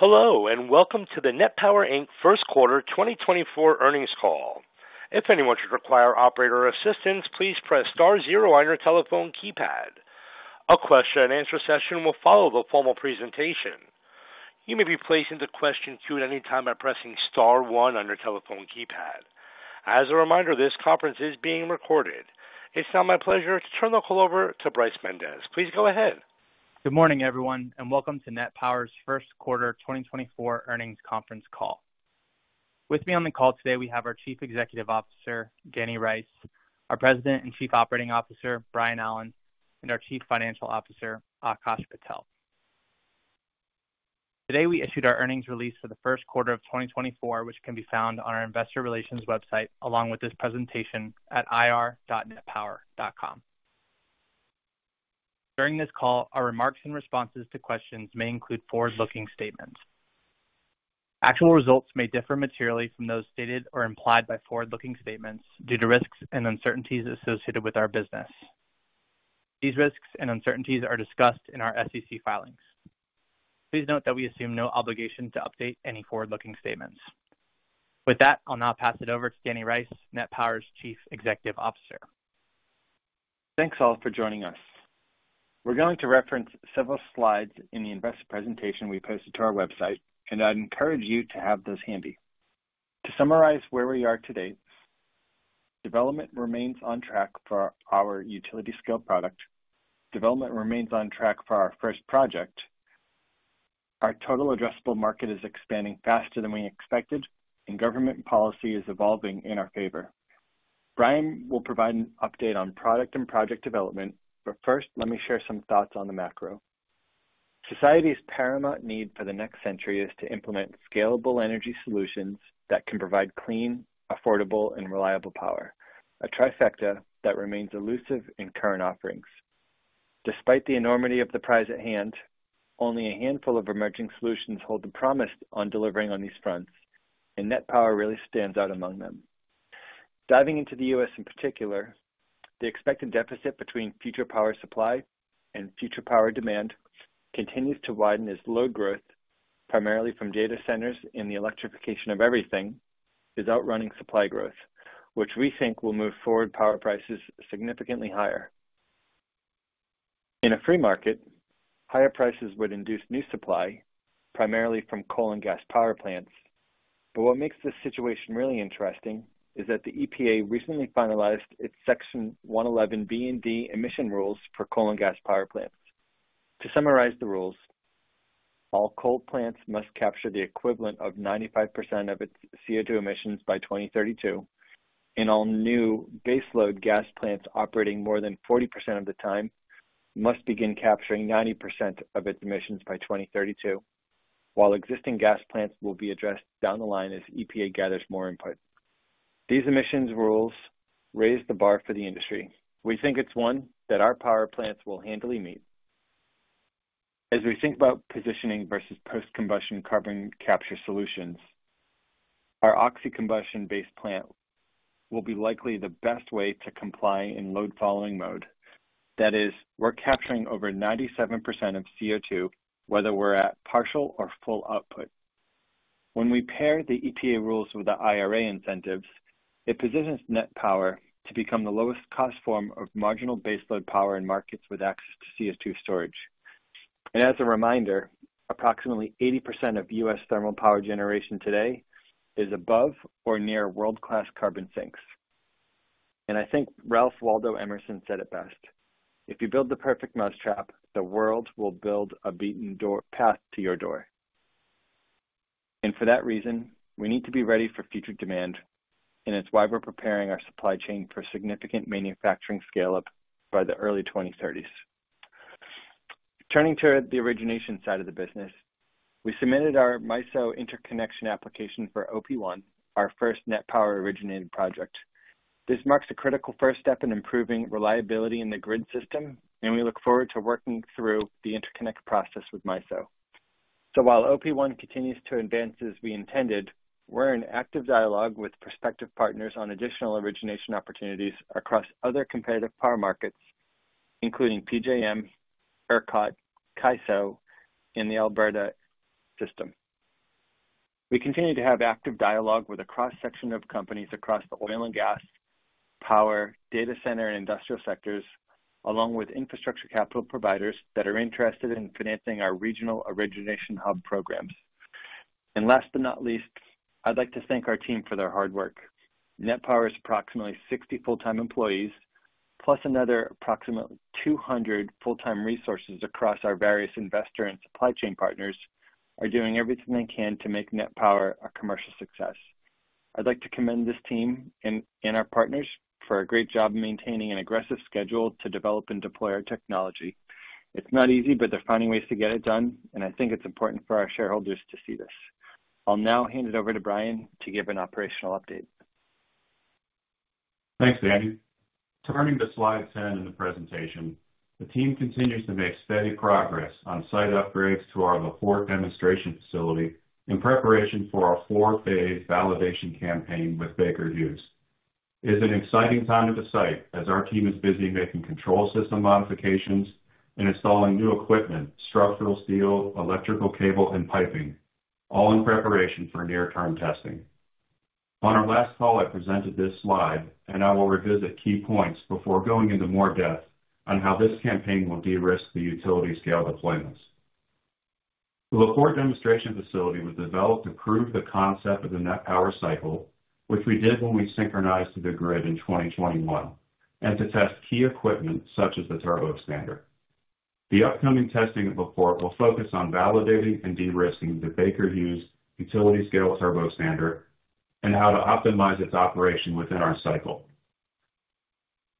Hello and welcome to the NET Power Inc First Quarter 2024 Earnings Call. If anyone should require operator assistance, please press star zero on your telephone keypad. A question and answer session will follow the formal presentation. You may be placed into question queue at any time by pressing star one on your telephone keypad. As a reminder, this conference is being recorded. It's now my pleasure to turn the call over to Bryce Mendes. Please go ahead. Good morning, everyone, and welcome to NET Power's first quarter 2024 Earnings Conference Call. With me on the call today we have our Chief Executive Officer Danny Rice, our President and Chief Operating Officer Brian Allen, and our Chief Financial Officer Akash Patel. Today we issued our earnings release for the first quarter of 2024, which can be found on our investor relations website along with this presentation at IR.NETPower.com. During this call, our remarks and responses to questions may include forward-looking statements. Actual results may differ materially from those stated or implied by forward-looking statements due to risks and uncertainties associated with our business. These risks and uncertainties are discussed in our SEC filings. Please note that we assume no obligation to update any forward-looking statements. With that, I'll now pass it over to Danny Rice, NET Power's Chief Executive Officer. Thanks all for joining us. We're going to reference several slides in the investor presentation we posted to our website, and I'd encourage you to have those handy. To summarize where we are to date: development remains on track for our utility-scale product. Development remains on track for our first project. Our total addressable market is expanding faster than we expected, and government policy is evolving in our favor. Brian will provide an update on product and project development, but first let me share some thoughts on the macro. Society's paramount need for the next century is to implement scalable energy solutions that can provide clean, affordable, and reliable power, a trifecta that remains elusive in current offerings. Despite the enormity of the prize at hand, only a handful of emerging solutions hold the promise on delivering on these fronts, and NET Power really stands out among them. Diving into the U.S. in particular, the expected deficit between future power supply and future power demand continues to widen as load growth, primarily from data centers and the electrification of everything, is outrunning supply growth, which we think will move forward power prices significantly higher. In a free market, higher prices would induce new supply, primarily from coal and gas power plants. But what makes this situation really interesting is that the EPA recently finalized its Section 111(b) and (d) emission rules for coal and gas power plants. To summarize the rules: all coal plants must capture the equivalent of 95% of its CO2 emissions by 2032, and all new baseload gas plants operating more than 40% of the time must begin capturing 90% of its emissions by 2032, while existing gas plants will be addressed down the line as EPA gathers more input. These emissions rules raise the bar for the industry. We think it's one that our power plants will handily meet. As we think about positioning versus post-combustion carbon capture solutions, our oxy-combustion-based plant will be likely the best way to comply in load-following mode. That is, we're capturing over 97% of CO2 whether we're at partial or full output. When we pair the EPA rules with the IRA incentives, it positions NET Power to become the lowest-cost form of marginal baseload power in markets with access to CO2 storage. And as a reminder, approximately 80% of U.S. thermal power generation today is above or near world-class carbon sinks. I think Ralph Waldo Emerson said it best: "If you build the perfect mousetrap, the world will build a beaten path to your door." For that reason, we need to be ready for future demand, and it's why we're preparing our supply chain for significant manufacturing scale-up by the early 2030s. Turning to the origination side of the business, we submitted our MISO interconnection application for OP1, our first NET Power originated project. This marks a critical first step in improving reliability in the grid system, and we look forward to working through the interconnect process with MISO. While OP1 continues to advance as we intended, we're in active dialogue with prospective partners on additional origination opportunities across other competitive power markets, including PJM, ERCOT, CAISO, and the Alberta system. We continue to have active dialogue with a cross-section of companies across the oil and gas, power, data center, and industrial sectors, along with infrastructure capital providers that are interested in financing our regional origination hub programs. Last but not least, I'd like to thank our team for their hard work. NET Power's approximately 60 full-time employees, plus another approximately 200 full-time resources across our various investor and supply chain partners, are doing everything they can to make NET Power a commercial success. I'd like to commend this team and our partners for a great job maintaining an aggressive schedule to develop and deploy our technology. It's not easy, but they're finding ways to get it done, and I think it's important for our shareholders to see this. I'll now hand it over to Brian to give an operational update. Thanks, Danny. Turning to Slide 10 in the presentation, the team continues to make steady progress on site upgrades to our La Porte demonstration facility in preparation for our four-phase validation campaign with Baker Hughes. It's an exciting time at the site as our team is busy making control system modifications and installing new equipment, structural steel, electrical cable, and piping, all in preparation for near-term testing. On our last call, I presented this slide, and I will revisit key points before going into more depth on how this campaign will de-risk the utility-scale deployments. The La Porte demonstration facility was developed to prove the concept of the NET Power cycle, which we did when we synchronized to the grid in 2021, and to test key equipment such as the turboexpander. The upcoming testing at La Porte will focus on validating and de-risking the Baker Hughes utility-scale turboexpander and how to optimize its operation within our cycle.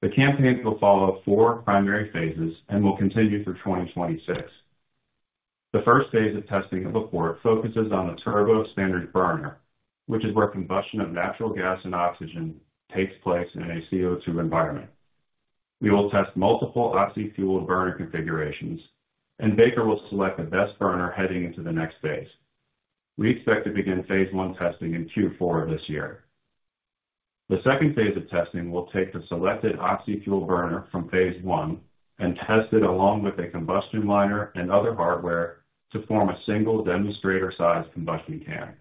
The campaign will follow four primary phases and will continue through 2026. The first phase of testing at La Porte focuses on the turboexpander burner, which is where combustion of natural gas and oxygen takes place in a CO2 environment. We will test multiple oxy-fueled burner configurations, and Baker will select the best burner heading into the next phase. We expect to begin phase one testing in Q4 of this year. The second phase of testing will take the selected oxy-fueled burner from phase one and test it along with a combustion liner and other hardware to form a single demonstrator-sized combustion can.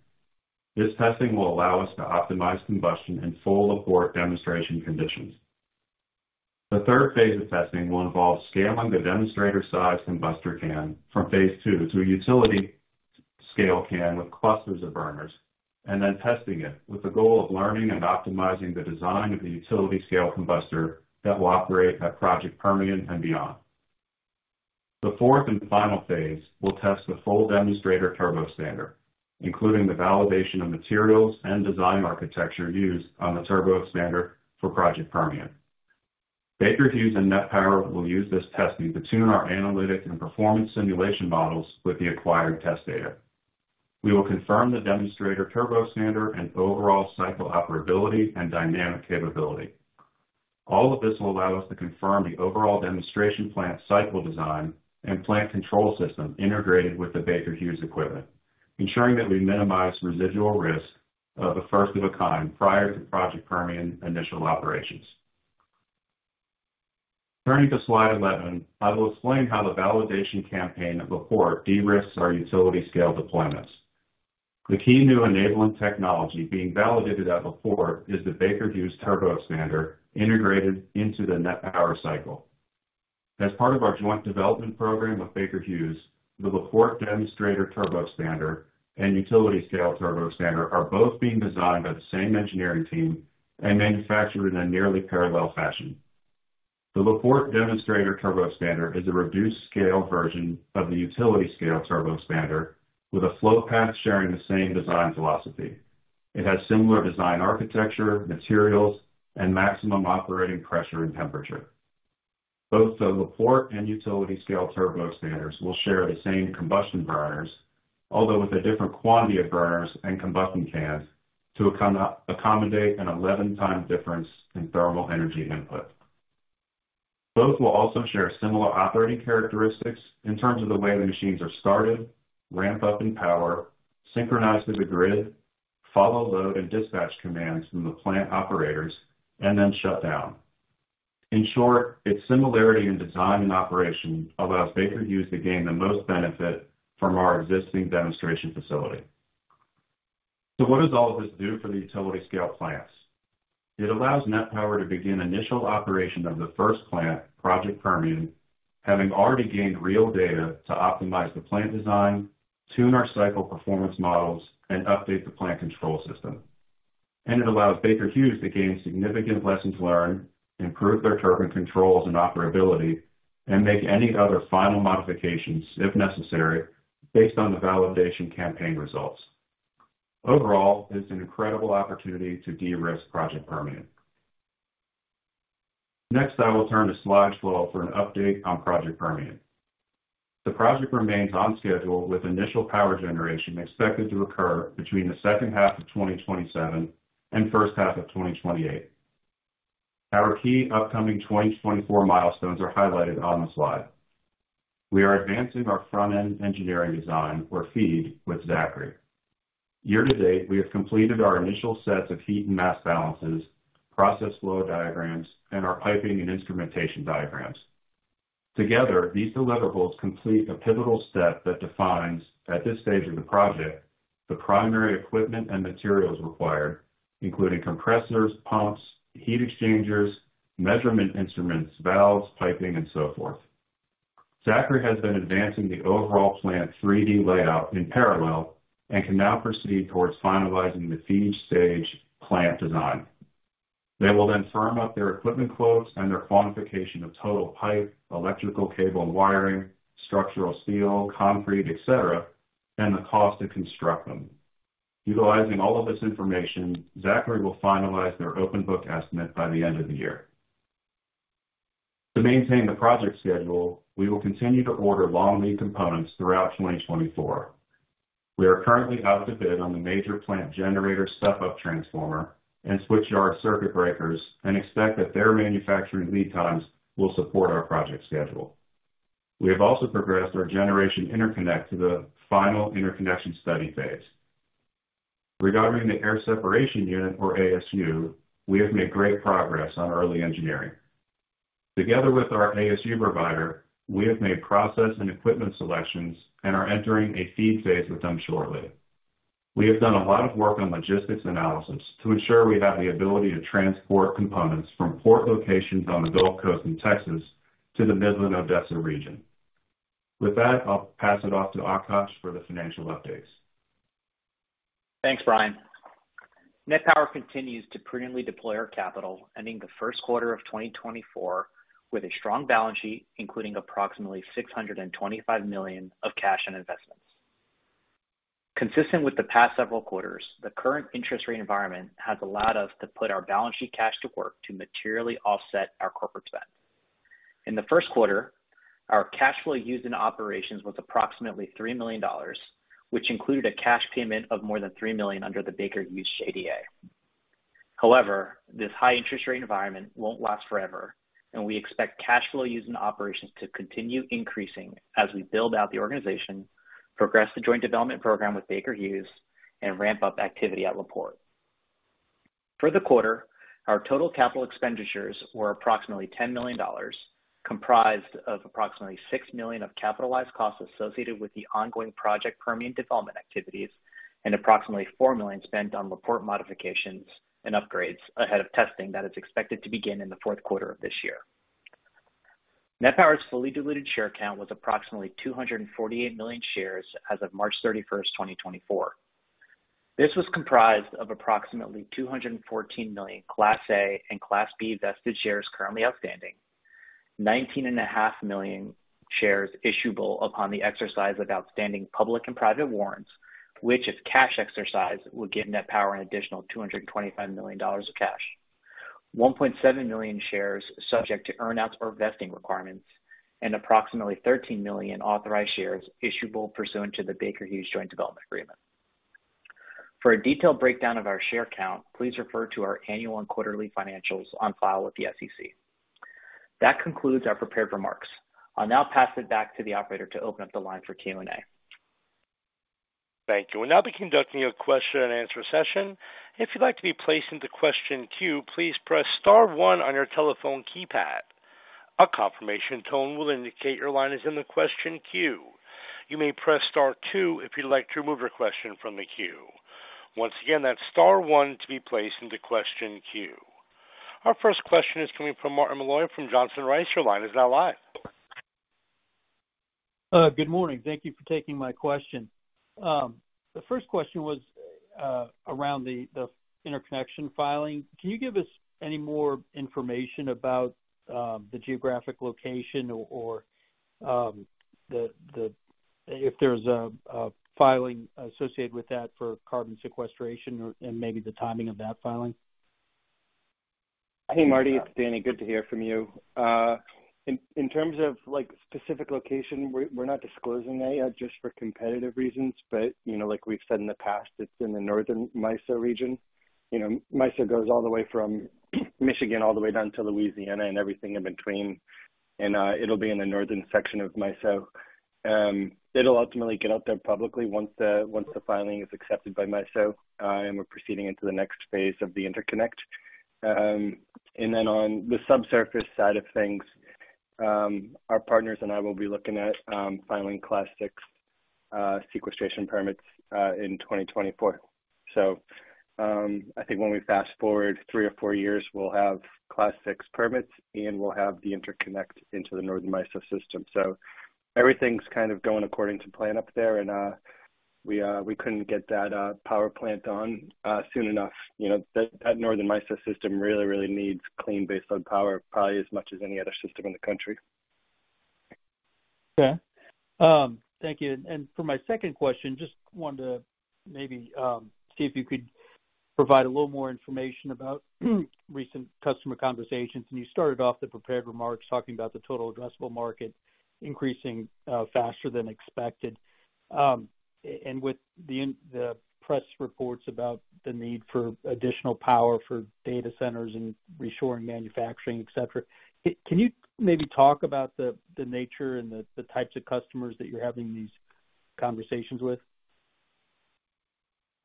This testing will allow us to optimize combustion in full La Porte demonstration conditions. The third phase of testing will involve scaling the demonstrator-sized combustor can from phase 2 to a utility-scale can with clusters of burners, and then testing it with the goal of learning and optimizing the design of the utility-scale combustor that will operate at Project Permian and beyond. The fourth and final phase will test the full demonstrator turbo expander, including the validation of materials and design architecture used on the turbo expander for Project Permian. Baker Hughes and NET Power will use this testing to tune our analytic and performance simulation models with the acquired test data. We will confirm the demonstrator turbo expander and overall cycle operability and dynamic capability. All of this will allow us to confirm the overall demonstration plant cycle design and plant control system integrated with the Baker Hughes equipment, ensuring that we minimize residual risk of a first of a kind prior to Project Permian initial operations. Turning to slide 11, I will explain how the validation campaign at La Porte de-risks our utility-scale deployments. The key new enabling technology being validated at La Porte is the Baker Hughes turboexpander integrated into the NET Power cycle. As part of our joint development program with Baker Hughes, the La Porte demonstrator turboexpander and utility-scale turboexpander are both being designed by the same engineering team and manufactured in a nearly parallel fashion. The La Porte demonstrator turboexpander is a reduced-scale version of the utility-scale turboexpander with a flow path sharing the same design philosophy. It has similar design architecture, materials, and maximum operating pressure and temperature. Both the La Porte and utility-scale turboexpanders will share the same combustion burners, although with a different quantity of burners and combustion cans to accommodate an 11-time difference in thermal energy input. Both will also share similar operating characteristics in terms of the way the machines are started, ramp up in power, synchronize to the grid, follow load and dispatch commands from the plant operators, and then shut down. In short, its similarity in design and operation allows Baker Hughes to gain the most benefit from our existing demonstration facility. So what does all of this do for the utility-scale plants? It allows NET Power to begin initial operation of the first plant, Project Permian, having already gained real data to optimize the plant design, tune our cycle performance models, and update the plant control system. It allows Baker Hughes to gain significant lessons learned, improve their turbine controls and operability, and make any other final modifications, if necessary, based on the validation campaign results. Overall, it's an incredible opportunity to de-risk Project Permian. Next, I will turn to slide 12 for an update on Project Permian. The project remains on schedule with initial power generation expected to occur between the second half of 2027 and first half of 2028. Our key upcoming 2024 milestones are highlighted on the slide. We are advancing our front-end engineering design, or FEED, with Zachry. Year to date, we have completed our initial sets of heat and mass balances, process flow diagrams, and our piping and instrumentation diagrams. Together, these deliverables complete a pivotal step that defines, at this stage of the project, the primary equipment and materials required, including compressors, pumps, heat exchangers, measurement instruments, valves, piping, and so forth. Zachry has been advancing the overall plant 3D layout in parallel and can now proceed towards finalizing the FEED stage plant design. They will then firm up their equipment quotes and their quantification of total pipe, electrical cable and wiring, structural steel, concrete, etc., and the cost to construct them. Utilizing all of this information, Zachry will finalize their Open Book Estimate by the end of the year. To maintain the project schedule, we will continue to order long lead components throughout 2024. We are currently out to bid on the major plant generator step-up transformer and switchyard circuit breakers and expect that their manufacturing lead times will support our project schedule. We have also progressed our generation interconnect to the final interconnection study phase. Regarding the air separation unit, or ASU, we have made great progress on early engineering. Together with our ASU provider, we have made process and equipment selections and are entering a FEED phase with them shortly. We have done a lot of work on logistics analysis to ensure we have the ability to transport components from port locations on the Gulf Coast in Texas to the Midland-Odessa region. With that, I'll pass it off to Akash for the financial updates. Thanks, Brian. NET Power continues to prudently deploy our capital, ending the first quarter of 2024 with a strong balance sheet, including approximately $625 million of cash and investments. Consistent with the past several quarters, the current interest rate environment has allowed us to put our balance sheet cash to work to materially offset our corporate spend. In the first quarter, our cash flow used in operations was approximately $3 million, which included a cash payment of more than $3 million under the Baker Hughes JDA. However, this high interest rate environment won't last forever, and we expect cash flow used in operations to continue increasing as we build out the organization, progress the joint development program with Baker Hughes, and ramp up activity at La Porte. For the quarter, our total capital expenditures were approximately $10 million, comprised of approximately $6 million of capitalized costs associated with the ongoing Project Permian development activities and approximately $4 million spent on La Porte modifications and upgrades ahead of testing that is expected to begin in the fourth quarter of this year. NET Power's fully diluted share count was approximately 248 million shares as of March 31, 2024. This was comprised of approximately 214 million Class A and Class B vested shares currently outstanding, 19.5 million shares issuable upon the exercise of outstanding public and private warrants, which, if cash exercised, would give NET Power an additional $225 million of cash, 1.7 million shares subject to earnouts or vesting requirements, and approximately 13 million authorized shares issuable pursuant to the Baker Hughes joint development agreement. For a detailed breakdown of our share count, please refer to our annual and quarterly financials on file with the SEC. That concludes our prepared remarks. I'll now pass it back to the operator to open up the line for Q&A. Thank you. We'll now be conducting a question-and-answer session. If you'd like to be placed into question queue, please press star one on your telephone keypad. A confirmation tone will indicate your line is in the question queue. You may press star two if you'd like to remove your question from the queue. Once again, that's star one to be placed into question queue. Our first question is coming from Martin Malloy from Johnson Rice. Your line is now live. Good morning. Thank you for taking my question. The first question was around the interconnection filing. Can you give us any more information about the geographic location or if there's a filing associated with that for carbon sequestration and maybe the timing of that filing? Hey, Marty. It's Danny. Good to hear from you. In terms of specific location, we're not disclosing that yet just for competitive reasons. But like we've said in the past, it's in the northern MISO region. MISO goes all the way from Michigan all the way down to Louisiana and everything in between, and it'll be in the northern section of MISO. It'll ultimately get out there publicly once the filing is accepted by MISO, and we're proceeding into the next phase of the interconnect. And then on the subsurface side of things, our partners and I will be looking at filing Class VI sequestration permits in 2024. So I think when we fast forward three or four years, we'll have Class VI permits and we'll have the interconnect into the northern MISO system. So everything's kind of going according to plan up there, and we couldn't get that power plant on soon enough. That northern MISO system really, really needs clean baseload power, probably as much as any other system in the country. Okay. Thank you. And for my second question, just wanted to maybe see if you could provide a little more information about recent customer conversations. And you started off the prepared remarks talking about the total addressable market increasing faster than expected. And with the press reports about the need for additional power for data centers and reshoring manufacturing, etc., can you maybe talk about the nature and the types of customers that you're having these conversations with?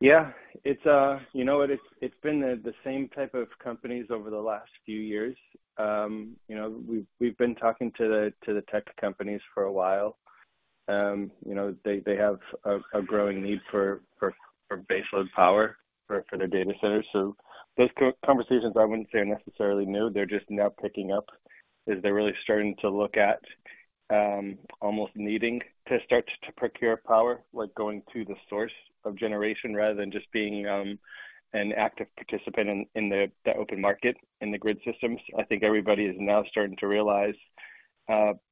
Yeah. You know what? It's been the same type of companies over the last few years. We've been talking to the tech companies for a while. They have a growing need for baseload power for their data centers. So those conversations, I wouldn't say are necessarily new. They're just now picking up. As they're really starting to look at almost needing to start to procure power, going to the source of generation rather than just being an active participant in the open market in the grid systems. I think everybody is now starting to realize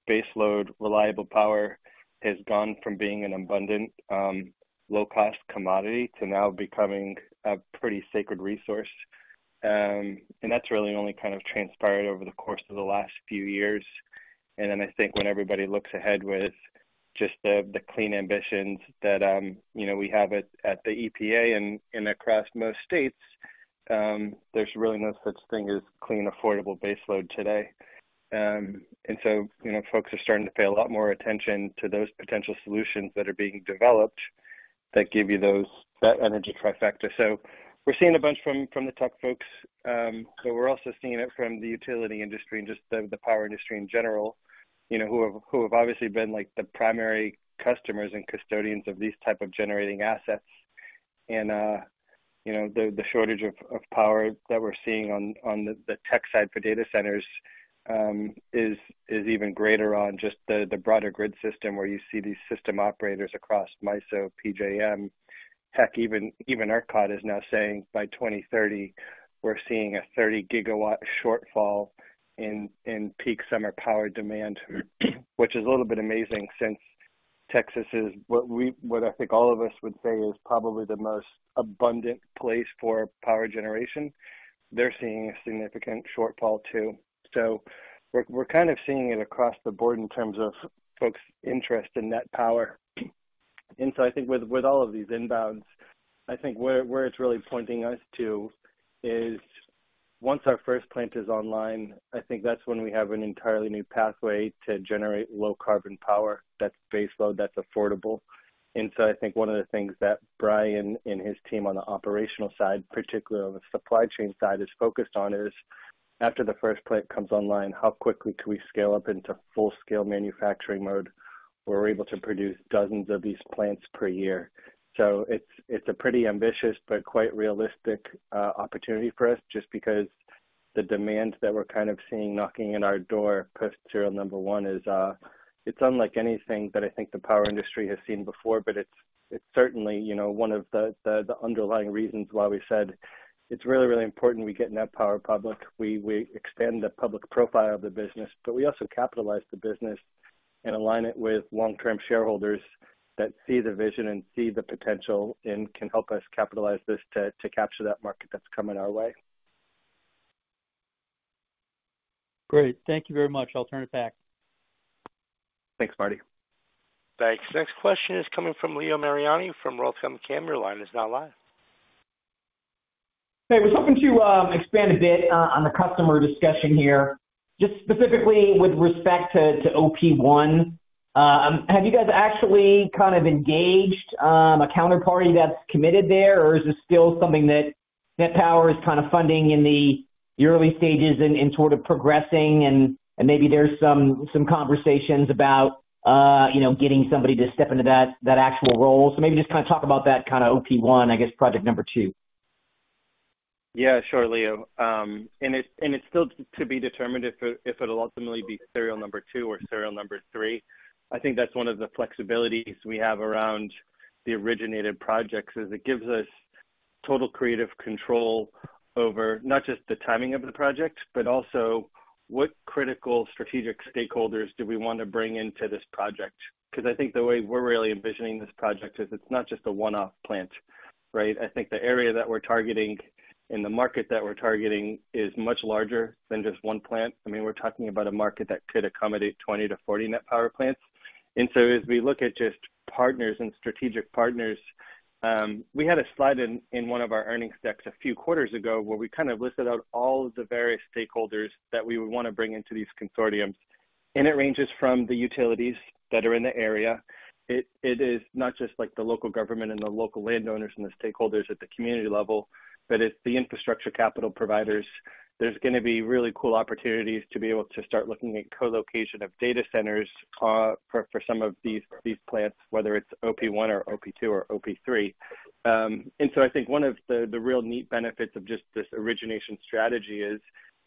baseload reliable power has gone from being an abundant, low-cost commodity to now becoming a pretty sacred resource. And that's really only kind of transpired over the course of the last few years. And then I think when everybody looks ahead with just the clean ambitions that we have at the EPA and across most states, there's really no such thing as clean, affordable baseload today. And so folks are starting to pay a lot more attention to those potential solutions that are being developed that give you that energy trifecta. So we're seeing a bunch from the tech folks, but we're also seeing it from the utility industry and just the power industry in general who have obviously been the primary customers and custodians of these type of generating assets. And the shortage of power that we're seeing on the tech side for data centers is even greater on just the broader grid system where you see these system operators across MISO, PJM. Heck, even ERCOT is now saying by 2030, we're seeing a 30-GW shortfall in peak summer power demand, which is a little bit amazing since Texas is what I think all of us would say is probably the most abundant place for power generation. They're seeing a significant shortfall too. So we're kind of seeing it across the board in terms of folks' interest in NET Power. And so I think with all of these inbounds, I think where it's really pointing us to is once our first plant is online, I think that's when we have an entirely new pathway to generate low-carbon power that's baseload, that's affordable. So I think one of the things that Brian and his team on the operational side, particularly on the supply chain side, is focused on is after the first plant comes online, how quickly can we scale up into full-scale manufacturing mode where we're able to produce dozens of these plants per year? So it's a pretty ambitious but quite realistic opportunity for us just because the demand that we're kind of seeing knocking at our door post serial number one is it's unlike anything that I think the power industry has seen before, but it's certainly one of the underlying reasons why we said it's really, really important we get NET Power public, we expand the public profile of the business, but we also capitalize the business and align it with long-term shareholders that see the vision and see the potential and can help us capitalize this to capture that market that's coming our way. Great. Thank you very much. I'll turn it back. Thanks, Marty. Thanks. Next question is coming from Leo Mariani from Roth MKM. Your line is now live. Hey, we're hoping to expand a bit on the customer discussion here. Just specifically with respect to OP1, have you guys actually kind of engaged a counterparty that's committed there, or is this still something that NET Power is kind of funding in the early stages and sort of progressing? And maybe there's some conversations about getting somebody to step into that actual role. So maybe just kind of talk about that kind of OP1, I guess, project number two. Yeah, sure, Leo. And it's still to be determined if it'll ultimately be serial number two or serial number three. I think that's one of the flexibilities we have around the originated projects is it gives us total creative control over not just the timing of the project, but also what critical strategic stakeholders do we want to bring into this project? Because I think the way we're really envisioning this project is it's not just a one-off plant, right? I think the area that we're targeting and the market that we're targeting is much larger than just one plant. I mean, we're talking about a market that could accommodate 20-40 NET Power plants. So as we look at just partners and strategic partners, we had a slide in one of our earnings decks a few quarters ago where we kind of listed out all of the various stakeholders that we would want to bring into these consortiums. It ranges from the utilities that are in the area. It is not just the local government and the local landowners and the stakeholders at the community level, but it's the infrastructure capital providers. There's going to be really cool opportunities to be able to start looking at colocation of data centers for some of these plants, whether it's OP1 or OP2 or OP3. So I think one of the real neat benefits of just this origination strategy is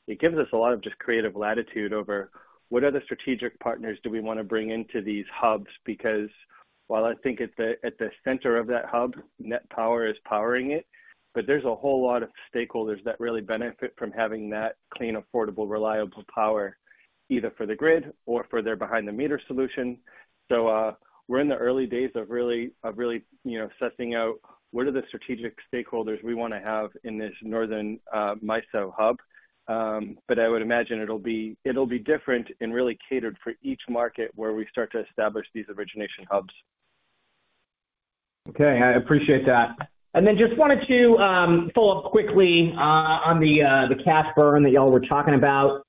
it gives us a lot of just creative latitude over what other strategic partners do we want to bring into these hubs? Because while I think at the center of that hub, NET Power is powering it, but there's a whole lot of stakeholders that really benefit from having that clean, affordable, reliable power either for the grid or for their behind-the-meter solution. So we're in the early days of really sussing out what are the strategic stakeholders we want to have in this northern MISO hub. But I would imagine it'll be different and really catered for each market where we start to establish these origination hubs. Okay. I appreciate that. And then just wanted to follow up quickly on the cash burn that y'all were talking about.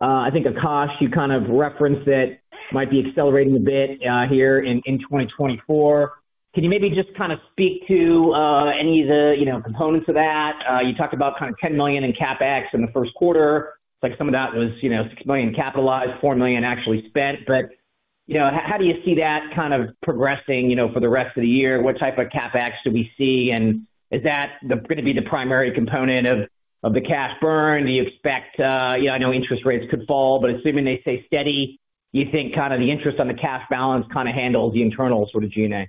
I think Akash, you kind of referenced it might be accelerating a bit here in 2024. Can you maybe just kind of speak to any of the components of that? You talked about kind of $10 million in CapEx in the first quarter. Some of that was $6 million capitalized, $4 million actually spent. But how do you see that kind of progressing for the rest of the year? What type of CapEx do we see? And is that going to be the primary component of the cash burn? Do you expect, I know interest rates could fall, but assuming they stay steady, do you think kind of the interest on the cash balance kind of handles the internal sort of G&A?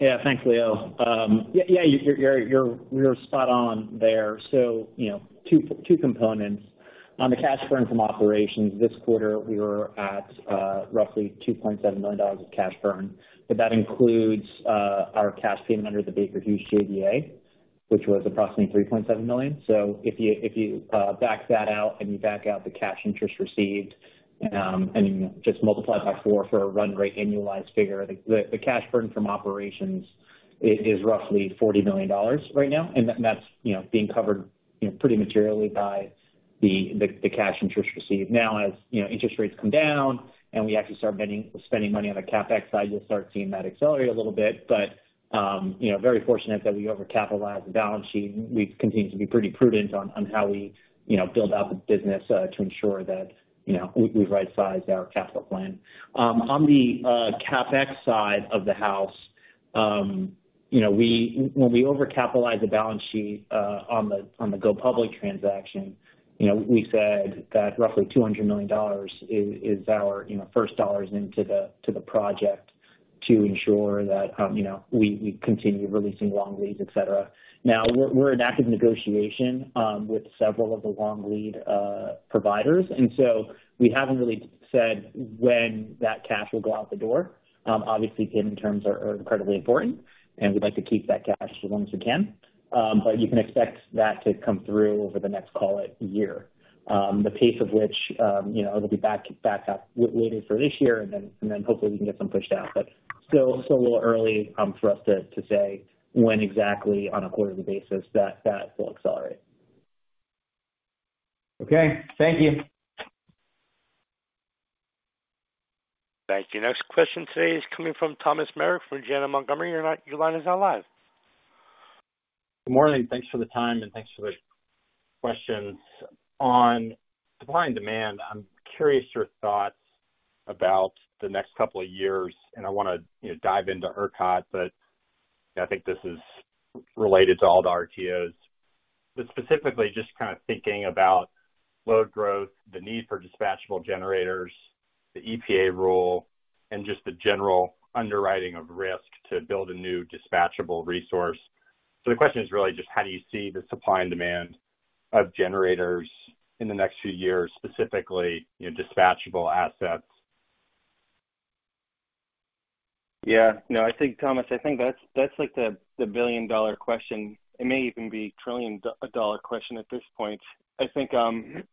Yeah. Thanks, Leo. Yeah, you're spot on there. So two components. On the cash burn from operations, this quarter, we were at roughly $2.7 million of cash burn. But that includes our cash payment under the Baker Hughes JDA, which was approximately $3.7 million. So if you back that out and you back out the cash interest received and you just multiply it by four for a run rate annualized figure, the cash burn from operations is roughly $40 million right now. And that's being covered pretty materially by the cash interest received. Now, as interest rates come down and we actually start spending money on the CapEx side, you'll start seeing that accelerate a little bit. But very fortunate that we overcapitalize the balance sheet. We continue to be pretty prudent on how we build out the business to ensure that we've right-sized our capital plan. On the CapEx side of the house, when we overcapitalize the balance sheet on the go public transaction, we said that roughly $200 million is our first dollars into the project to ensure that we continue releasing long leads, etc. Now, we're in active negotiation with several of the long lead providers. And so we haven't really said when that cash will go out the door. Obviously, payment terms are incredibly important, and we'd like to keep that cash as long as we can. But you can expect that to come through over the next, call it, year, the pace of which it'll be backed up later for this year, and then hopefully, we can get some pushed out. But still a little early for us to say when exactly on a quarterly basis that will accelerate. Okay. Thank you. Thank you. Next question today is coming from Thomas Meric from Janney Montgomery Scott. Your line is now live. Good morning. Thanks for the time, and thanks for the questions. On supply and demand, I'm curious your thoughts about the next couple of years. I want to dive into ERCOT, but I think this is related to all the RTOs. Specifically, just kind of thinking about load growth, the need for dispatchable generators, the EPA rule, and just the general underwriting of risk to build a new dispatchable resource. The question is really just how do you see the supply and demand of generators in the next few years, specifically dispatchable assets? Yeah. No, I think, Thomas, I think that's the billion-dollar question. It may even be trillion-dollar question at this point. I think when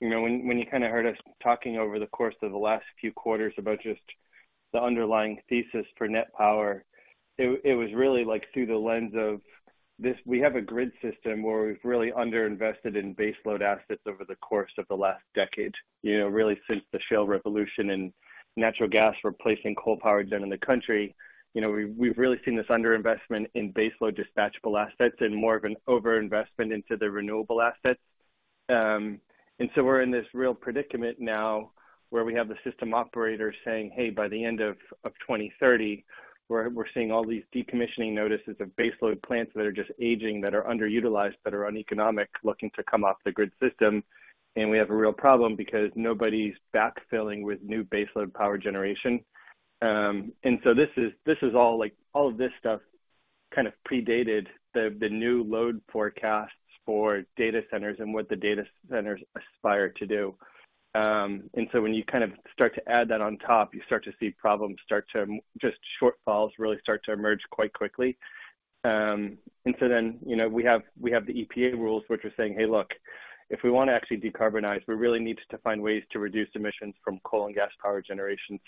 you kind of heard us talking over the course of the last few quarters about just the underlying thesis for NET Power, it was really through the lens of we have a grid system where we've really underinvested in baseload assets over the course of the last decade, really since the shale revolution and natural gas replacing coal power done in the country. We've really seen this underinvestment in baseload dispatchable assets and more of an overinvestment into the renewable assets. And so we're in this real predicament now where we have the system operator saying, "Hey, by the end of 2030, we're seeing all these decommissioning notices of baseload plants that are just aging, that are underutilized, that are uneconomic, looking to come off the grid system. And we have a real problem because nobody's backfilling with new baseload power generation." And so this is all of this stuff kind of predated the new load forecasts for data centers and what the data centers aspire to do. And so when you kind of start to add that on top, you start to see problems start to just shortfalls really start to emerge quite quickly. We have the EPA rules, which are saying, "Hey, look, if we want to actually decarbonize, we really need to find ways to reduce emissions from coal and gas power generation."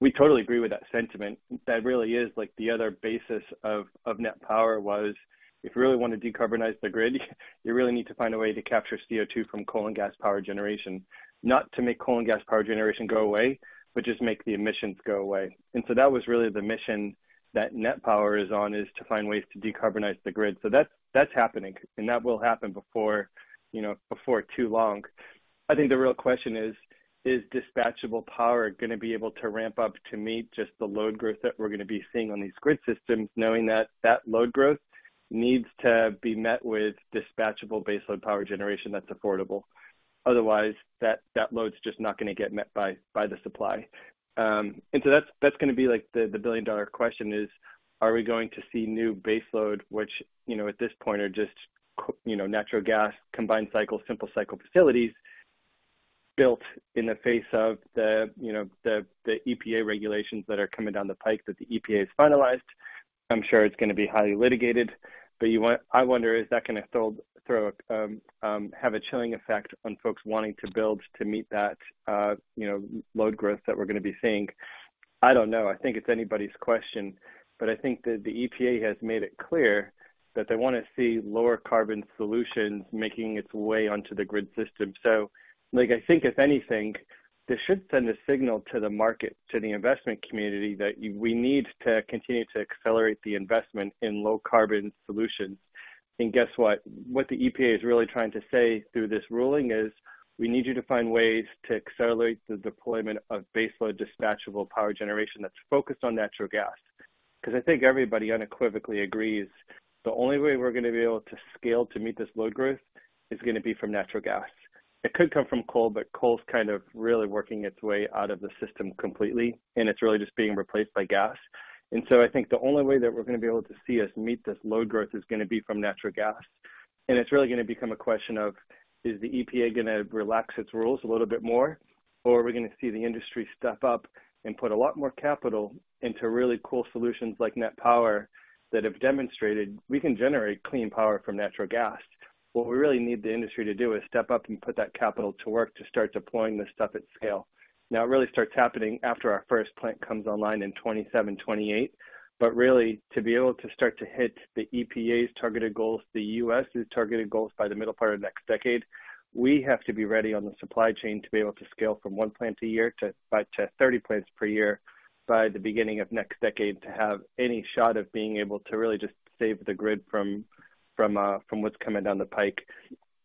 We totally agree with that sentiment. That really is the other basis of NET Power was if you really want to decarbonize the grid, you really need to find a way to capture CO2 from coal and gas power generation, not to make coal and gas power generation go away, but just make the emissions go away. That was really the mission that NET Power is on, is to find ways to decarbonize the grid. That's happening, and that will happen before too long. I think the real question is, is dispatchable power going to be able to ramp up to meet just the load growth that we're going to be seeing on these grid systems, knowing that that load growth needs to be met with dispatchable baseload power generation that's affordable? Otherwise, that load's just not going to get met by the supply. And so that's going to be the billion-dollar question is, are we going to see new baseload, which at this point are just natural gas, combined cycle, simple cycle facilities built in the face of the EPA regulations that are coming down the pike that the EPA has finalized? I'm sure it's going to be highly litigated. But I wonder, is that going to have a chilling effect on folks wanting to build to meet that load growth that we're going to be seeing? I don't know. I think it's anybody's question. But I think that the EPA has made it clear that they want to see lower-carbon solutions making its way onto the grid system. So I think, if anything, this should send a signal to the market, to the investment community, that we need to continue to accelerate the investment in low-carbon solutions. And guess what? What the EPA is really trying to say through this ruling is we need you to find ways to accelerate the deployment of baseload dispatchable power generation that's focused on natural gas. Because I think everybody unequivocally agrees the only way we're going to be able to scale to meet this load growth is going to be from natural gas. It could come from coal, but coal's kind of really working its way out of the system completely, and it's really just being replaced by gas. So I think the only way that we're going to be able to see us meet this load growth is going to be from natural gas. It's really going to become a question of, is the EPA going to relax its rules a little bit more, or are we going to see the industry step up and put a lot more capital into really cool solutions like NET Power that have demonstrated we can generate clean power from natural gas? What we really need the industry to do is step up and put that capital to work to start deploying this stuff at scale. Now, it really starts happening after our first plant comes online in 2027, 2028. But really, to be able to start to hit the EPA's targeted goals, the U.S.'s targeted goals by the middle part of next decade, we have to be ready on the supply chain to be able to scale from 1 plant a year to 30 plants per year by the beginning of next decade to have any shot of being able to really just save the grid from what's coming down the pike.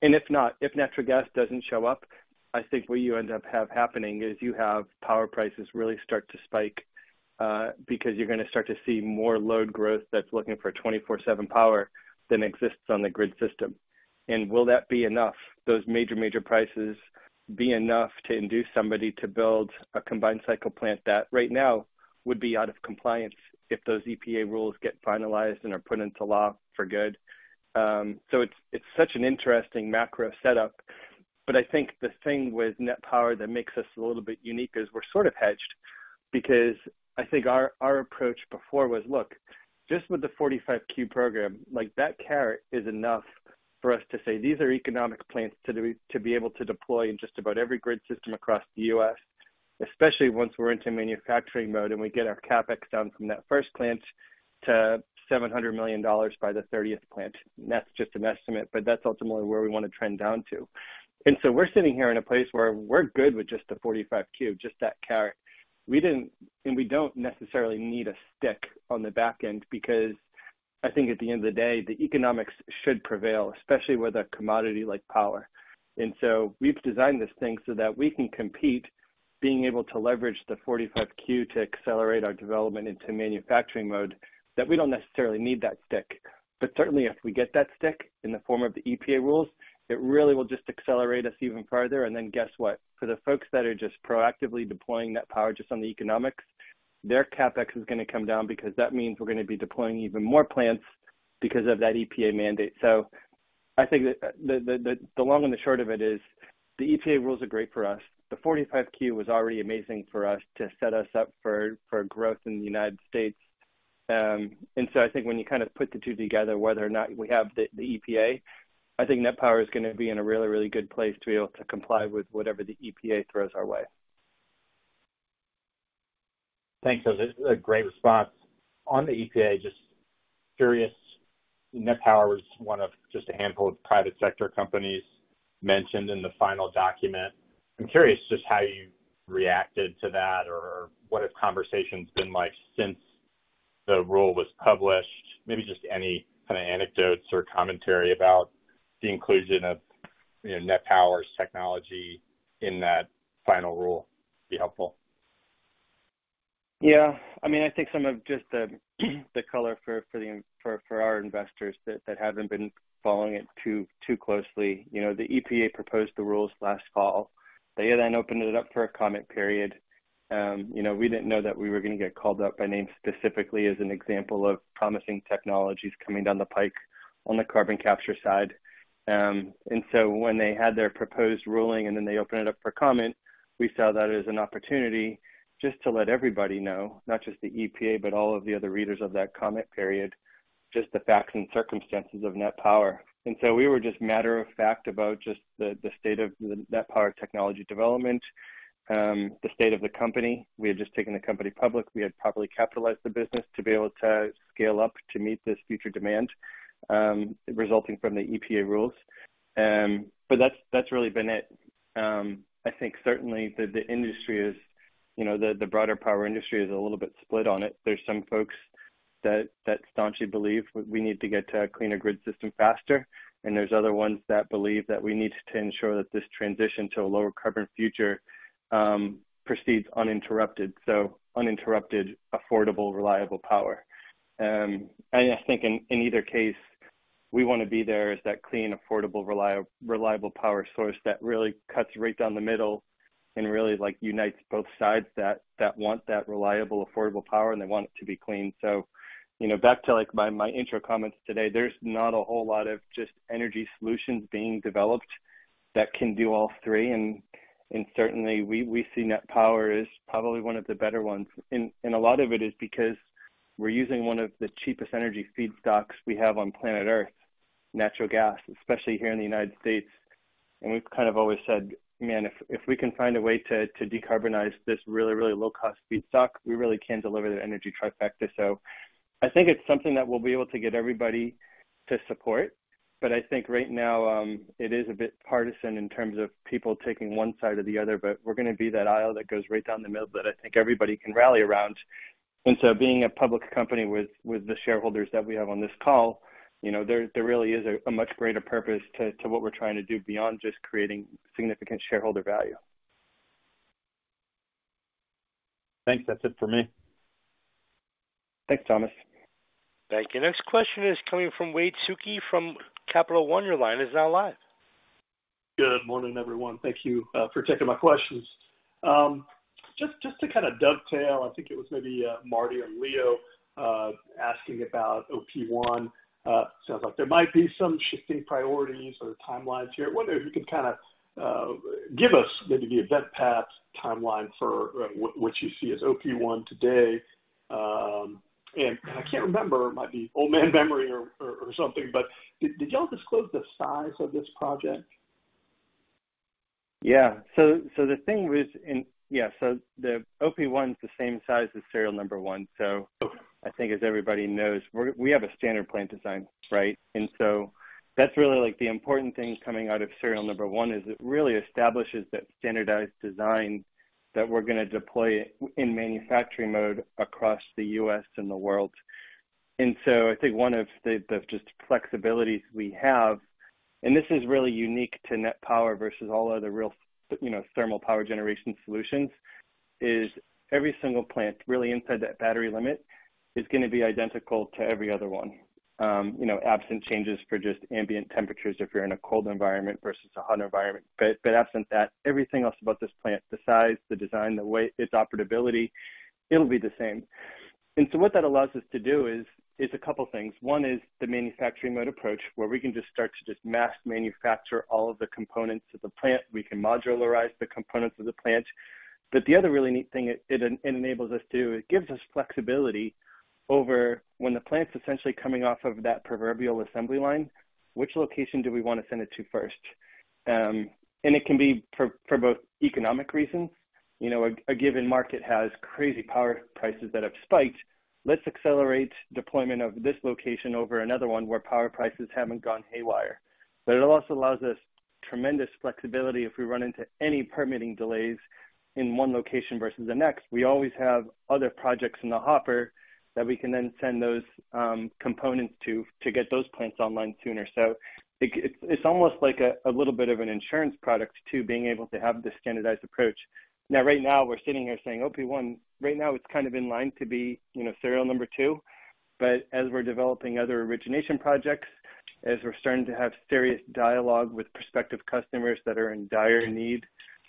And if natural gas doesn't show up, I think what you end up having happening is you have power prices really start to spike because you're going to start to see more load growth that's looking for 24/7 power than exists on the grid system. And will that be enough? Those major, major prices be enough to induce somebody to build a combined cycle plant that right now would be out of compliance if those EPA rules get finalized and are put into law for good? So it's such an interesting macro setup. But I think the thing with NET Power that makes us a little bit unique is we're sort of hedged because I think our approach before was, "Look, just with the 45Q program, that carrot is enough for us to say these are economic plants to be able to deploy in just about every grid system across the U.S., especially once we're into manufacturing mode and we get our CapEx down from that first plant to $700 million by the 30th plant." And that's just an estimate, but that's ultimately where we want to trend down to. We're sitting here in a place where we're good with just the 45Q, just that carrot. We don't necessarily need a stick on the back end because I think at the end of the day, the economics should prevail, especially with a commodity like power. We've designed this thing so that we can compete, being able to leverage the 45Q to accelerate our development into manufacturing mode that we don't necessarily need that stick. But certainly, if we get that stick in the form of the EPA rules, it really will just accelerate us even further. And then guess what? For the folks that are just proactively deploying NET Power just on the economics, their CapEx is going to come down because that means we're going to be deploying even more plants because of that EPA mandate. So I think the long and the short of it is the EPA rules are great for us. The 45Q was already amazing for us to set us up for growth in the United States. And so I think when you kind of put the two together, whether or not we have the EPA, I think NET Power is going to be in a really, really good place to be able to comply with whatever the EPA throws our way. Thanks. That's a great response. On the EPA, just curious, NET Power was one of just a handful of private sector companies mentioned in the final document. I'm curious just how you reacted to that or what have conversations been like since the rule was published? Maybe just any kind of anecdotes or commentary about the inclusion of NET Power's technology in that final rule would be helpful. Yeah. I mean, I think some of just the color for our investors that haven't been following it too closely. The EPA proposed the rules last fall. They then opened it up for a comment period. We didn't know that we were going to get called up by name specifically as an example of promising technologies coming down the pike on the carbon capture side. And so when they had their proposed ruling and then they opened it up for comment, we saw that as an opportunity just to let everybody know, not just the EPA, but all of the other readers of that comment period, just the facts and circumstances of NET Power. And so we were just matter-of-fact about just the state of the NET Power technology development, the state of the company. We had just taken the company public. We had properly capitalized the business to be able to scale up to meet this future demand resulting from the EPA rules. But that's really been it. I think certainly, the industry, the broader power industry, is a little bit split on it. There's some folks that staunchly believe we need to get to a cleaner grid system faster. And there's other ones that believe that we need to ensure that this transition to a lower carbon future proceeds uninterrupted, so uninterrupted, affordable, reliable power. And I think in either case, we want to be there as that clean, affordable, reliable power source that really cuts right down the middle and really unites both sides that want that reliable, affordable power, and they want it to be clean. So back to my intro comments today, there's not a whole lot of just energy solutions being developed that can do all three. Certainly, we see NET Power as probably one of the better ones. A lot of it is because we're using one of the cheapest energy feedstocks we have on planet Earth, natural gas, especially here in the United States. We've kind of always said, "Man, if we can find a way to decarbonize this really, really low-cost feedstock, we really can deliver the energy trifecta." So I think it's something that we'll be able to get everybody to support. But I think right now, it is a bit partisan in terms of people taking one side or the other. But we're going to be that aisle that goes right down the middle that I think everybody can rally around. And so being a public company with the shareholders that we have on this call, there really is a much greater purpose to what we're trying to do beyond just creating significant shareholder value. Thanks. That's it for me. Thanks, Thomas. Thank you. Next question is coming from Wade Sookie from Capital One. Your line is now live. Good morning, everyone. Thank you for taking my questions. Just to kind of dovetail, I think it was maybe Marty or Leo asking about OP1. Sounds like there might be some shifting priorities or timelines here. I wonder if you could kind of give us maybe the event path timeline for what you see as OP1 today. And I can't remember. It might be old-man memory or something. But did y'all disclose the size of this project? Yeah. So the OP1 is the same size as serial number one. So I think, as everybody knows, we have a standard plant design. Right? And so that's really the important thing coming out of serial number one is it really establishes that standardized design that we're going to deploy in manufacturing mode across the U.S. and the world. And so I think one of the just flexibilities we have and this is really unique to NET Power versus all other real thermal power generation solutions is every single plant really inside that battery limit is going to be identical to every other one, absent changes for just ambient temperatures if you're in a cold environment versus a hot environment. But absent that, everything else about this plant, the size, the design, the weight, its operability, it'll be the same. And so what that allows us to do is a couple of things. One is the manufacturing mode approach where we can just start to just mass manufacture all of the components of the plant. We can modularize the components of the plant. But the other really neat thing it enables us to do, it gives us flexibility over when the plant's essentially coming off of that proverbial assembly line, which location do we want to send it to first? And it can be for both economic reasons. A given market has crazy power prices that have spiked. Let's accelerate deployment of this location over another one where power prices haven't gone haywire. But it also allows us tremendous flexibility if we run into any permitting delays in one location versus the next. We always have other projects in the hopper that we can then send those components to to get those plants online sooner. So it's almost like a little bit of an insurance product too, being able to have this standardized approach. Now, right now, we're sitting here saying OP1, right now, it's kind of in line to be serial number two. But as we're developing other origination projects, as we're starting to have serious dialogue with prospective customers that are in dire need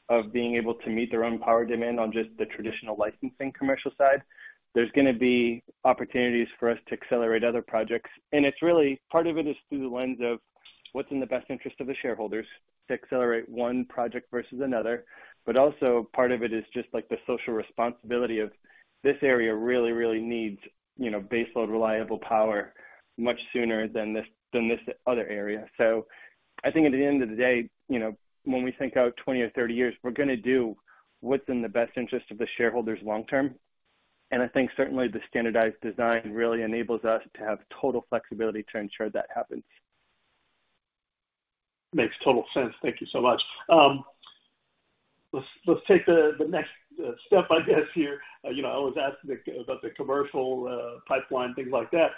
of being able to meet their own power demand on just the traditional licensing commercial side, there's going to be opportunities for us to accelerate other projects. And part of it is through the lens of what's in the best interest of the shareholders to accelerate one project versus another. But also, part of it is just the social responsibility of this area really, really needs baseload, reliable power much sooner than this other area. So I think at the end of the day, when we think out 20 or 30 years, we're going to do what's in the best interest of the shareholders long term. And I think certainly, the standardized design really enables us to have total flexibility to ensure that happens. Makes total sense. Thank you so much. Let's take the next step, I guess, here. I always ask about the commercial pipeline, things like that.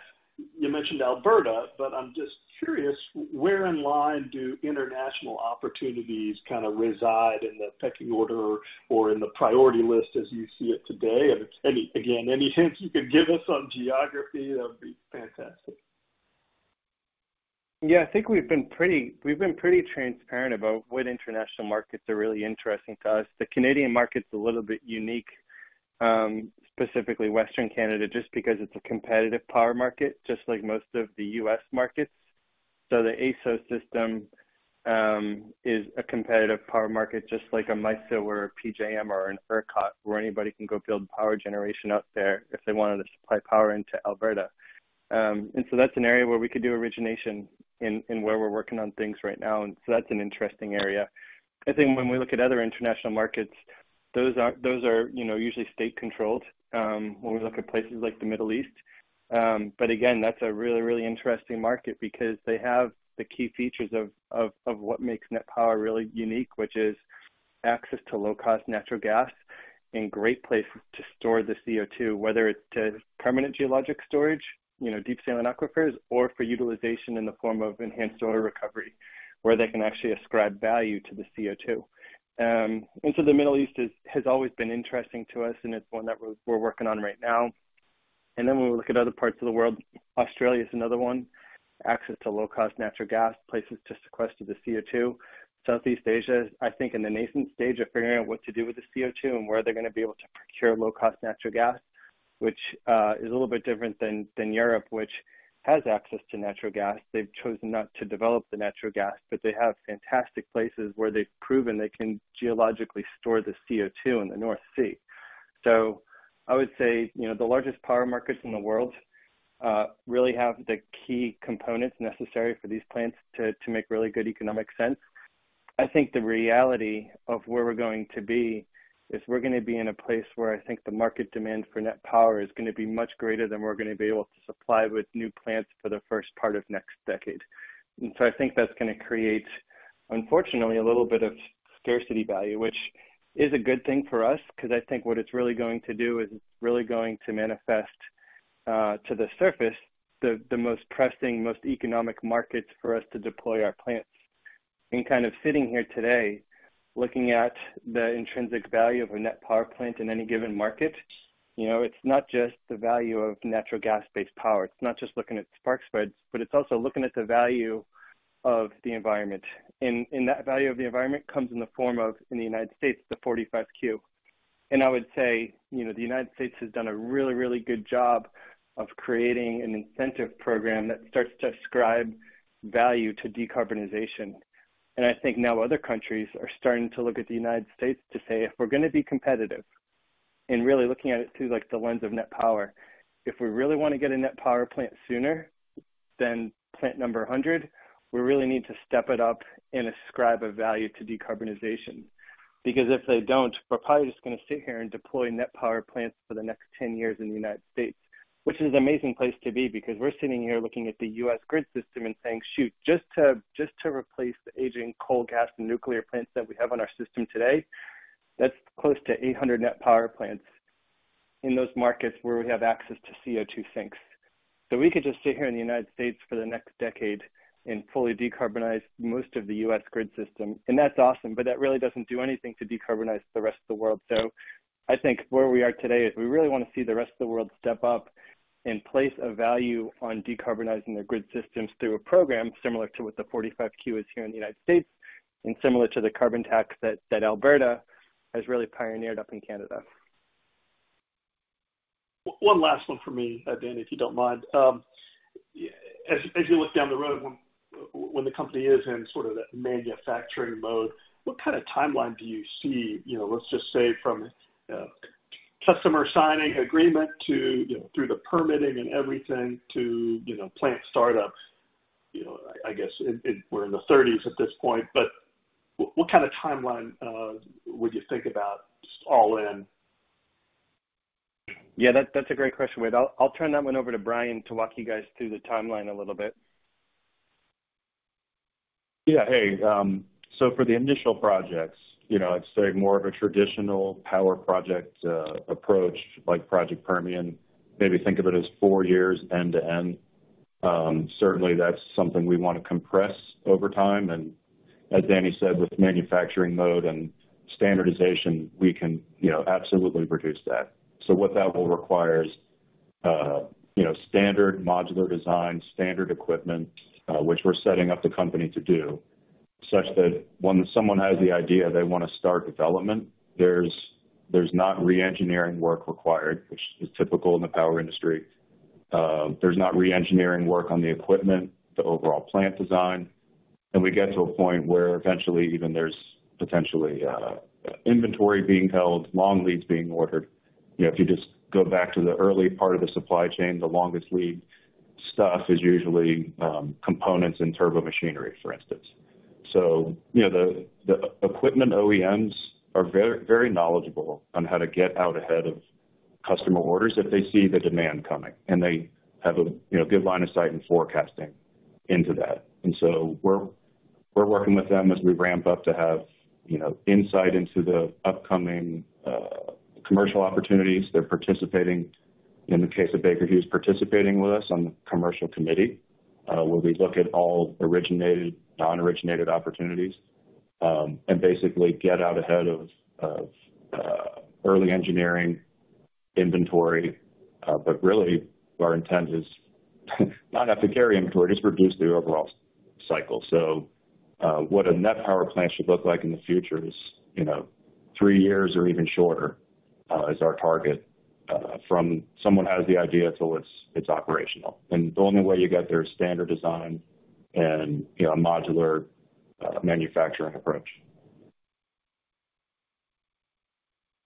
You mentioned Alberta, but I'm just curious, where in line do international opportunities kind of reside in the pecking order or in the priority list as you see it today? And again, any hints you could give us on geography, that would be fantastic. Yeah. I think we've been pretty transparent about what international markets are really interesting to us. The Canadian market's a little bit unique, specifically Western Canada, just because it's a competitive power market, just like most of the US markets. So the AESO system is a competitive power market, just like a MISO or a PJM or an ERCOT, where anybody can go build power generation up there if they wanted to supply power into Alberta. And so that's an area where we could do origination and where we're working on things right now. And so that's an interesting area. I think when we look at other international markets, those are usually state-controlled when we look at places like the Middle East. But again, that's a really, really interesting market because they have the key features of what makes NET Power really unique, which is access to low-cost natural gas and great places to store the CO2, whether it's to permanent geologic storage, you know, deep saline aquifers, or for utilization in the form of enhanced oil recovery where they can actually ascribe value to the CO2. And so the Middle East has always been interesting to us, and it's one that we're working on right now. And then when we look at other parts of the world, Australia is another one, access to low-cost natural gas, places to sequester the CO2. Southeast Asia, I think, in the nascent stage of figuring out what to do with the CO2 and where they're going to be able to procure low-cost natural gas, which is a little bit different than Europe, which has access to natural gas. They've chosen not to develop the natural gas, but they have fantastic places where they've proven they can geologically store the CO2 in the North Sea. So I would say the largest power markets in the world really have the key components necessary for these plants to make really good economic sense. I think the reality of where we're going to be is we're going to be in a place where I think the market demand for NET Power is going to be much greater than we're going to be able to supply with new plants for the first part of next decade. And so I think that's going to create, unfortunately, a little bit of scarcity value, which is a good thing for us because I think what it's really going to do is it's really going to manifest to the surface the most pressing, most economic markets for us to deploy our plants. And kind of sitting here today, looking at the intrinsic value of a NET Power plant in any given market, it's not just the value of natural gas-based power. It's not just looking at spark spreads, but it's also looking at the value of the environment. And that value of the environment comes in the form of, in the United States, the 45Q. And I would say the United States has done a really, really good job of creating an incentive program that starts to ascribe value to decarbonization. I think now other countries are starting to look at the United States to say, "If we're going to be competitive and really looking at it through the lens of NET Power, if we really want to get a NET Power plant sooner than plant number 100, we really need to step it up and ascribe a value to decarbonization." Because if they don't, we're probably just going to sit here and deploy NET Power plants for the next 10 years in the United States, which is an amazing place to be because we're sitting here looking at the U.S. grid system and saying, "Shoot, just to replace the aging coal gas and nuclear plants that we have on our system today, that's close to 800 NET Power plants in those markets where we have access to CO2 sinks." So we could just sit here in the United States for the next decade and fully decarbonize most of the U.S. grid system. That's awesome, but that really doesn't do anything to decarbonize the rest of the world. I think where we are today is we really want to see the rest of the world step up and place a value on decarbonizing their grid systems through a program similar to what the 45Q is here in the United States and similar to the carbon tax that Alberta has really pioneered up in Canada. One last one for me, Danny, if you don't mind. As you look down the road, when the company is in sort of that manufacturing mode, what kind of timeline do you see? Let's just say from customer signing agreement through the permitting and everything to plant startup. I guess we're in the 30s at this point. But what kind of timeline would you think about just all-in? Yeah. That's a great question, Wade. I'll turn that one over to Brian to walk you guys through the timeline a little bit. Yeah. Hey. So for the initial projects, it's more of a traditional power project approach like Project Permian. Maybe think of it as 4 years end-to-end. Certainly, that's something we want to compress over time. And as Danny said, with manufacturing mode and standardization, we can absolutely reduce that. So what that will require is standard modular design, standard equipment, which we're setting up the company to do such that when someone has the idea, they want to start development, there's not re-engineering work required, which is typical in the power industry. There's not re-engineering work on the equipment, the overall plant design. And we get to a point where eventually, even there's potentially inventory being held, long leads being ordered. If you just go back to the early part of the supply chain, the longest lead stuff is usually components in turbo machinery, for instance. So the equipment OEMs are very knowledgeable on how to get out ahead of customer orders if they see the demand coming, and they have a good line of sight and forecasting into that. And so we're working with them as we ramp up to have insight into the upcoming commercial opportunities. In the case of Baker Hughes, participating with us on the commercial committee where we look at all originated, non-originated opportunities and basically get out ahead of early engineering, inventory. But really, our intent is not have to carry inventory, just reduce the overall cycle. So what a NET Power plant should look like in the future is three years or even shorter is our target from someone has the idea till it's operational. And the only way you get there is standard design and a modular manufacturing approach.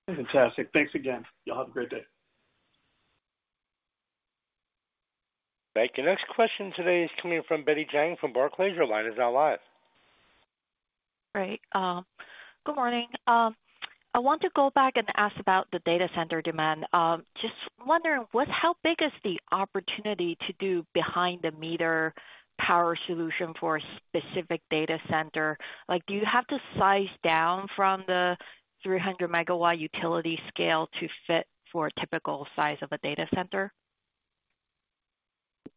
Fantastic. Thanks again. You'll have a great day. Thank you. Next question today is coming from Betty Jiang from Barclays. Your line is now live. Great. Good morning. I want to go back and ask about the data center demand. Just wondering, how big is the opportunity to do behind-the-meter power solution for a specific data center? Do you have to size down from the 300 MW utility scale to fit for a typical size of a data center?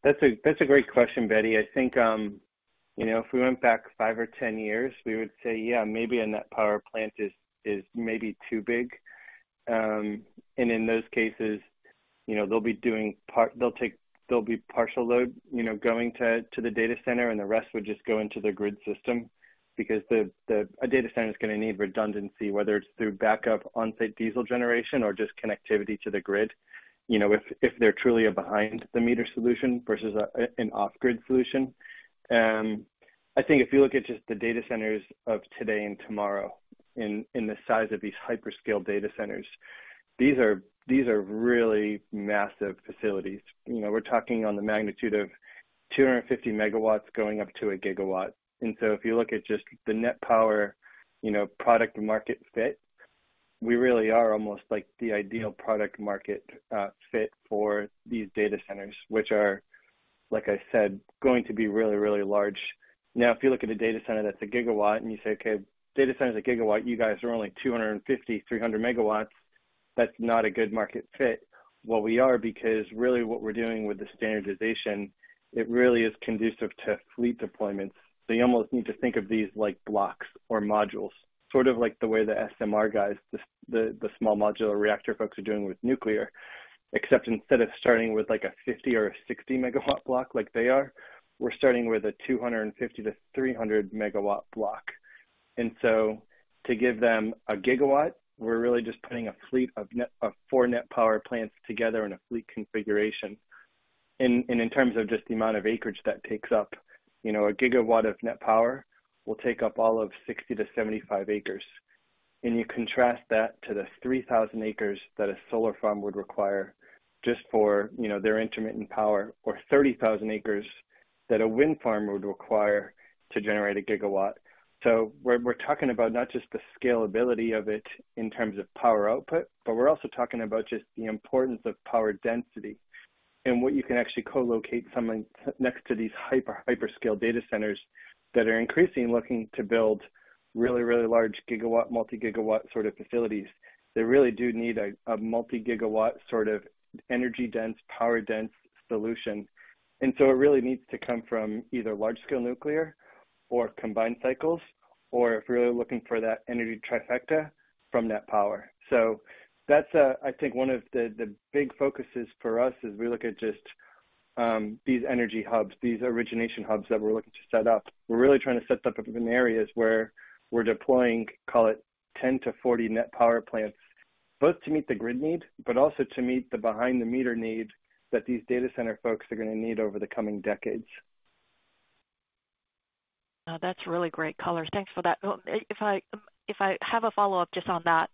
That's a great question, Betty. I think if we went back five or 10 years, we would say, "Yeah, maybe a NET Power plant is maybe too big." In those cases, they'll be partial load going to the data center, and the rest would just go into the grid system because a data center is going to need redundancy, whether it's through backup on-site diesel generation or just connectivity to the grid if they're truly a behind-the-meter solution versus an off-grid solution. I think if you look at just the data centers of today and tomorrow in the size of these hyperscale data centers, these are really massive facilities. We're talking on the magnitude of 250 MW going up to 1 GW. And so if you look at just the NET Power product-to-market fit, we really are almost the ideal product-to-market fit for these data centers, which are, like I said, going to be really, really large. Now, if you look at a data center that's a gigawatt and you say, "Okay, data center's a gigawatt. You guys are only 250, 300 megawatts." That's not a good market fit. Well, we are because really what we're doing with the standardization, it really is conducive to fleet deployments. So you almost need to think of these like blocks or modules, sort of like the way the SMR guys, the small modular reactor folks are doing with nuclear. Except instead of starting with a 50 or a 60-megawatt block like they are, we're starting with a 250-300-megawatt block. To give them a gigawatt, we're really just putting a fleet of four NET Power plants together in a fleet configuration. In terms of just the amount of acreage that takes up, a gigawatt of NET Power will take up all of 60-75 acres. You contrast that to the 3,000 acres that a solar farm would require just for their intermittent power or 30,000 acres that a wind farm would require to generate a gigawatt. We're talking about not just the scalability of it in terms of power output, but we're also talking about just the importance of power density and what you can actually co-locate next to these hyperscale data centers that are increasingly looking to build really, really large gigawatt, multi-gigawatt sort of facilities. They really do need a multi-gigawatt sort of energy-dense, power-dense solution. It really needs to come from either large-scale nuclear or combined cycles or if we're looking for that energy trifecta from NET Power. That's, I think, one of the big focuses for us as we look at just these energy hubs, these origination hubs that we're looking to set up. We're really trying to set them up in areas where we're deploying, call it, 10-40 NET Power plants, both to meet the grid need but also to meet the behind-the-meter need that these data center folks are going to need over the coming decades. That's really great colors. Thanks for that. If I have a follow-up just on that,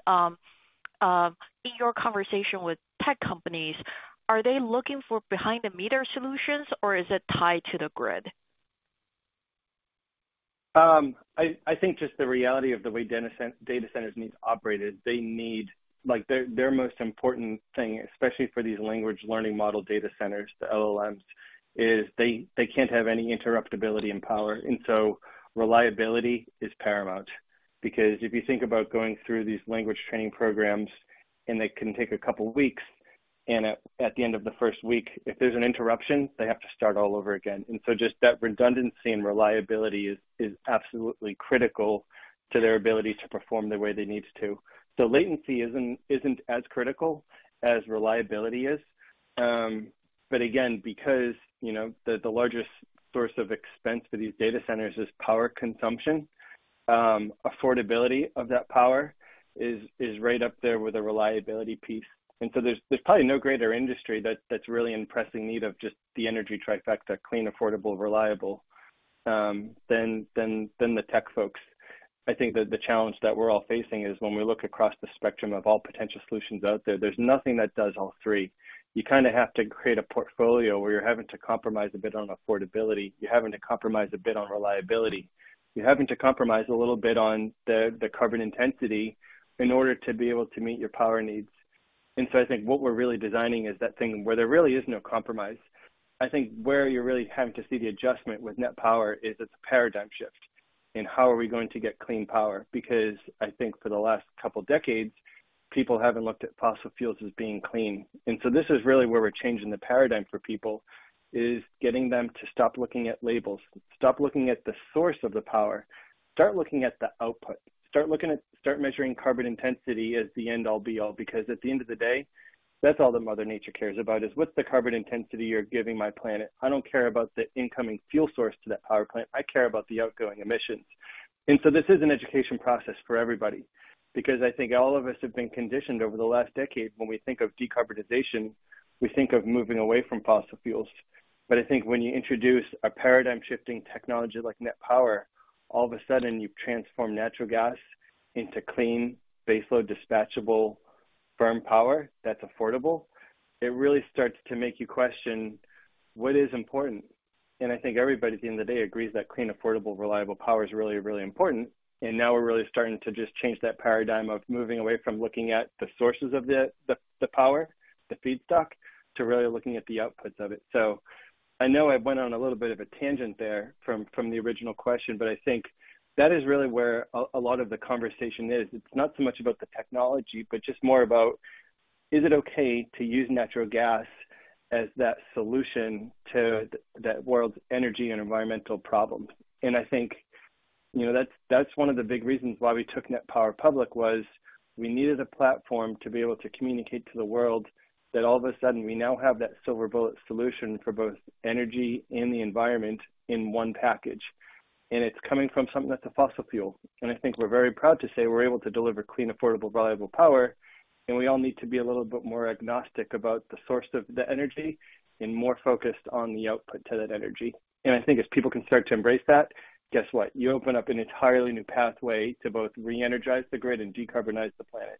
in your conversation with tech companies, are they looking for behind-the-meter solutions, or is it tied to the grid? I think just the reality of the way data centers need to operate is their most important thing, especially for these language learning model data centers, the LLMs, is they can't have any interruptibility in power. And so reliability is paramount because if you think about going through these language training programs, and it can take a couple of weeks, and at the end of the first week, if there's an interruption, they have to start all over again. And so just that redundancy and reliability is absolutely critical to their ability to perform the way they need to. So latency isn't as critical as reliability is. But again, because the largest source of expense for these data centers is power consumption, affordability of that power is right up there with the reliability piece. There's probably no greater industry that's really in pressing need of just the energy trifecta, clean, affordable, reliable, than the tech folks. I think that the challenge that we're all facing is when we look across the spectrum of all potential solutions out there, there's nothing that does all three. You kind of have to create a portfolio where you're having to compromise a bit on affordability. You're having to compromise a bit on reliability. You're having to compromise a little bit on the carbon intensity in order to be able to meet your power needs. I think what we're really designing is that thing where there really is no compromise. I think where you're really having to see the adjustment with NET Power is it's a paradigm shift in how are we going to get clean power because I think for the last couple of decades, people haven't looked at fossil fuels as being clean. And so this is really where we're changing the paradigm for people, is getting them to stop looking at labels, stop looking at the source of the power, start looking at the output, start measuring carbon intensity as the end-all, be-all. Because at the end of the day, that's all that Mother Nature cares about, is what's the carbon intensity you're giving my planet? I don't care about the incoming fuel source to that power plant. I care about the outgoing emissions. This is an education process for everybody because I think all of us have been conditioned over the last decade when we think of decarbonization, we think of moving away from fossil fuels. I think when you introduce a paradigm-shifting technology like NET Power, all of a sudden, you transform natural gas into clean, baseload, dispatchable, firm power that's affordable. It really starts to make you question, what is important? I think everybody at the end of the day agrees that clean, affordable, reliable power is really, really important. Now we're really starting to just change that paradigm of moving away from looking at the sources of the power, the feedstock, to really looking at the outputs of it. So I know I went on a little bit of a tangent there from the original question, but I think that is really where a lot of the conversation is. It's not so much about the technology, but just more about, is it okay to use natural gas as that solution to that world's energy and environmental problems? And I think that's one of the big reasons why we took NET Power public was we needed a platform to be able to communicate to the world that all of a sudden, we now have that silver bullet solution for both energy and the environment in one package. And it's coming from something that's a fossil fuel. And I think we're very proud to say we're able to deliver clean, affordable, reliable power. We all need to be a little bit more agnostic about the source of the energy and more focused on the output to that energy. I think as people can start to embrace that, guess what? You open up an entirely new pathway to both re-energize the grid and decarbonize the planet.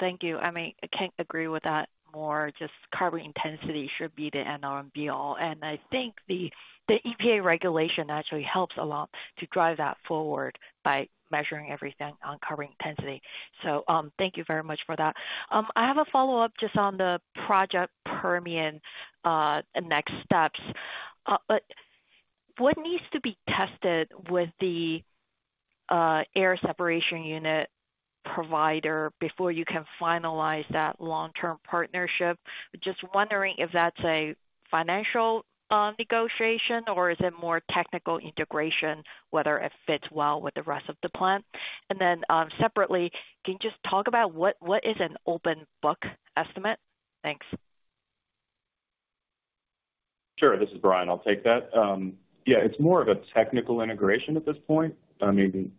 Thank you. I mean, I can't agree with that more. Just carbon intensity should be the end-all and be-all. And I think the EPA regulation actually helps a lot to drive that forward by measuring everything on carbon intensity. So thank you very much for that. I have a follow-up just on the Project Permian next steps. What needs to be tested with the air separation unit provider before you can finalize that long-term partnership? Just wondering if that's a financial negotiation, or is it more technical integration, whether it fits well with the rest of the plant? And then separately, can you just talk about what is an open book estimate? Thanks. Sure. This is Brian. I'll take that. Yeah, it's more of a technical integration at this point. I mean,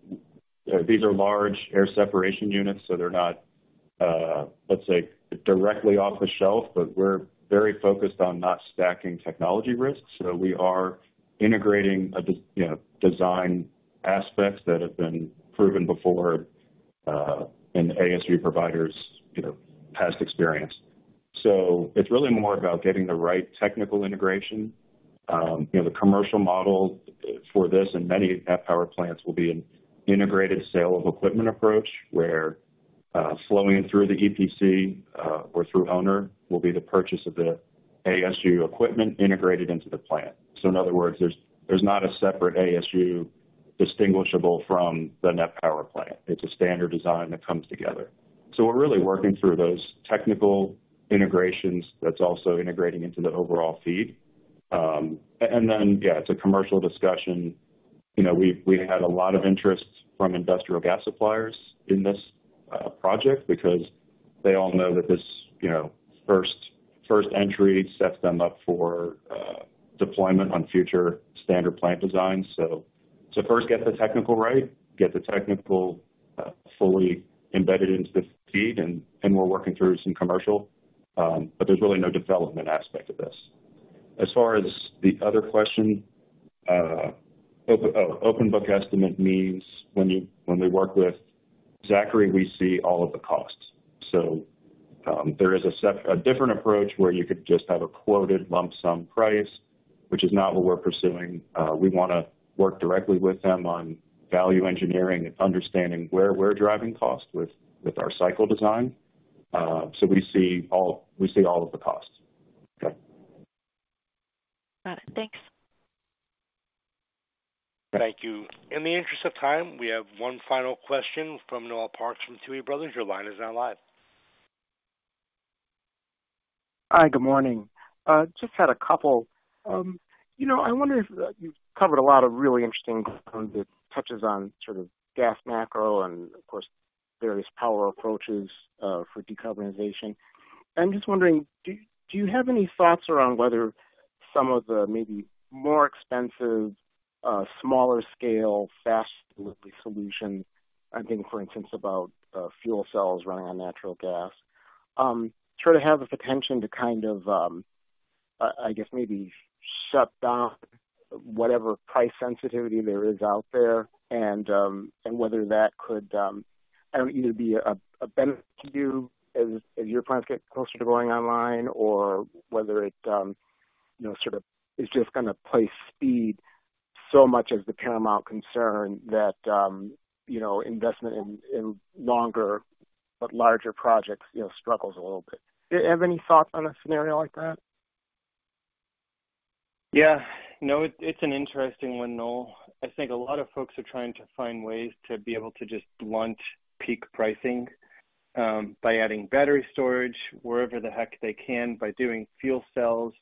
these are large air separation units, so they're not, let's say, directly off the shelf. But we're very focused on not stacking technology risks. So we are integrating design aspects that have been proven before in ASU providers' past experience. So it's really more about getting the right technical integration. The commercial model for this and many NET Power plants will be an integrated sale of equipment approach where flowing through the EPC or through owner will be the purchase of the ASU equipment integrated into the plant. So in other words, there's not a separate ASU distinguishable from the NET Power plant. It's a standard design that comes together. So we're really working through those technical integrations that's also integrating into the overall FEED. And then, yeah, it's a commercial discussion. We had a lot of interest from industrial gas suppliers in this project because they all know that this first entry sets them up for deployment on future standard plant designs. So to first get the technical right, get the technical fully embedded into the FEED. And we're working through some commercial, but there's really no development aspect of this. As far as the other question, oh, open book estimate means when we work with Zachry, we see all of the costs. So there is a different approach where you could just have a quoted lump sum price, which is not what we're pursuing. We want to work directly with them on value engineering and understanding where we're driving cost with our cycle design. So we see all of the costs. Okay. Got it. Thanks. Thank you. In the interest of time, we have one final question from Noel Parks from Tuohy Brothers. Your line is now live. Hi. Good morning. Just had a couple. I wonder if you've covered a lot of really interesting points that touch on sort of gas macro and, of course, various power approaches for decarbonization. And I'm just wondering, do you have any thoughts around whether some of the maybe more expensive, smaller-scale, fast solutions - I think, for instance, about fuel cells running on natural gas - sort of have the potential to kind of, I guess, maybe shut down whatever price sensitivity there is out there and whether that could either be a benefit to you as your plants get closer to going online or whether it sort of is just going to place speed so much as the paramount concern that investment in longer but larger projects struggles a little bit. Do you have any thoughts on a scenario like that? Yeah. No, it's an interesting one, Noel. I think a lot of folks are trying to find ways to be able to just blunt peak pricing by adding battery storage wherever the heck they can, by doing fuel cells,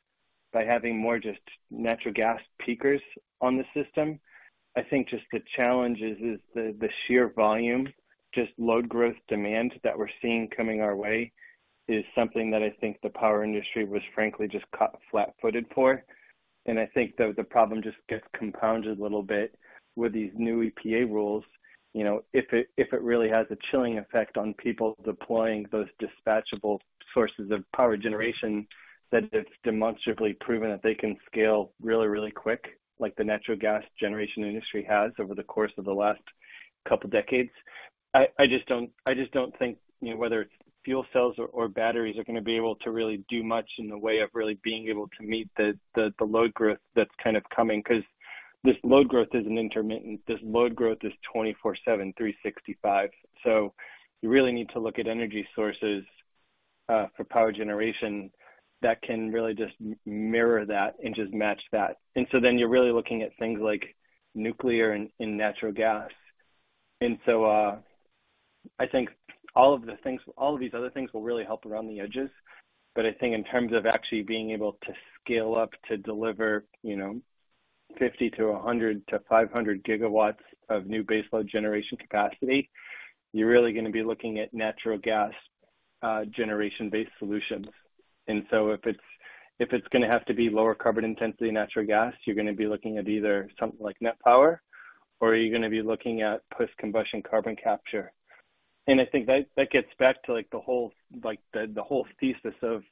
by having more just natural gas peakers on the system. I think just the challenge is the sheer volume, just load growth demand that we're seeing coming our way is something that I think the power industry was, frankly, just caught flat-footed for. I think the problem just gets compounded a little bit with these new EPA rules. If it really has a chilling effect on people deploying those dispatchable sources of power generation that it's demonstrably proven that they can scale really, really quick, like the natural gas generation industry has over the course of the last couple of decades, I just don't think whether it's fuel cells or batteries are going to be able to really do much in the way of really being able to meet the load growth that's kind of coming because this load growth isn't intermittent. This load growth is 24/7, 365. So you really need to look at energy sources for power generation that can really just mirror that and just match that. And so then you're really looking at things like nuclear and natural gas. And so I think all of these other things will really help around the edges. I think in terms of actually being able to scale up to deliver 50 to 100 to 500 gigawatts of new baseload generation capacity, you're really going to be looking at natural gas generation-based solutions. So if it's going to have to be lower carbon intensity natural gas, you're going to be looking at either something like NET Power, or you're going to be looking at post-combustion carbon capture. And I think that gets back to the whole thesis of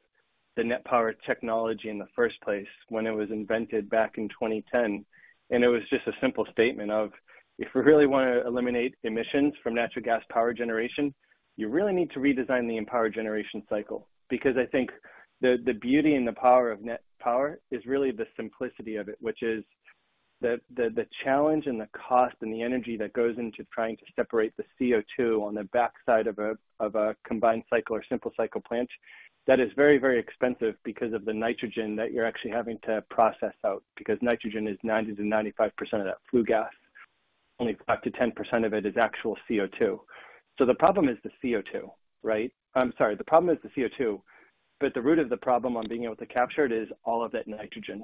the NET Power technology in the first place when it was invented back in 2010. And it was just a simple statement of, if we really want to eliminate emissions from natural gas power generation, you really need to redesign the entire generation cycle. Because I think the beauty and the power of NET Power is really the simplicity of it, which is the challenge and the cost and the energy that goes into trying to separate the CO2 on the backside of a combined cycle or simple cycle plant that is very, very expensive because of the nitrogen that you're actually having to process out because nitrogen is 90%-95% of that flue gas. Only 5%-10% of it is actual CO2. So the problem is the CO2, right? I'm sorry. The problem is the CO2. But the root of the problem on being able to capture it is all of that nitrogen.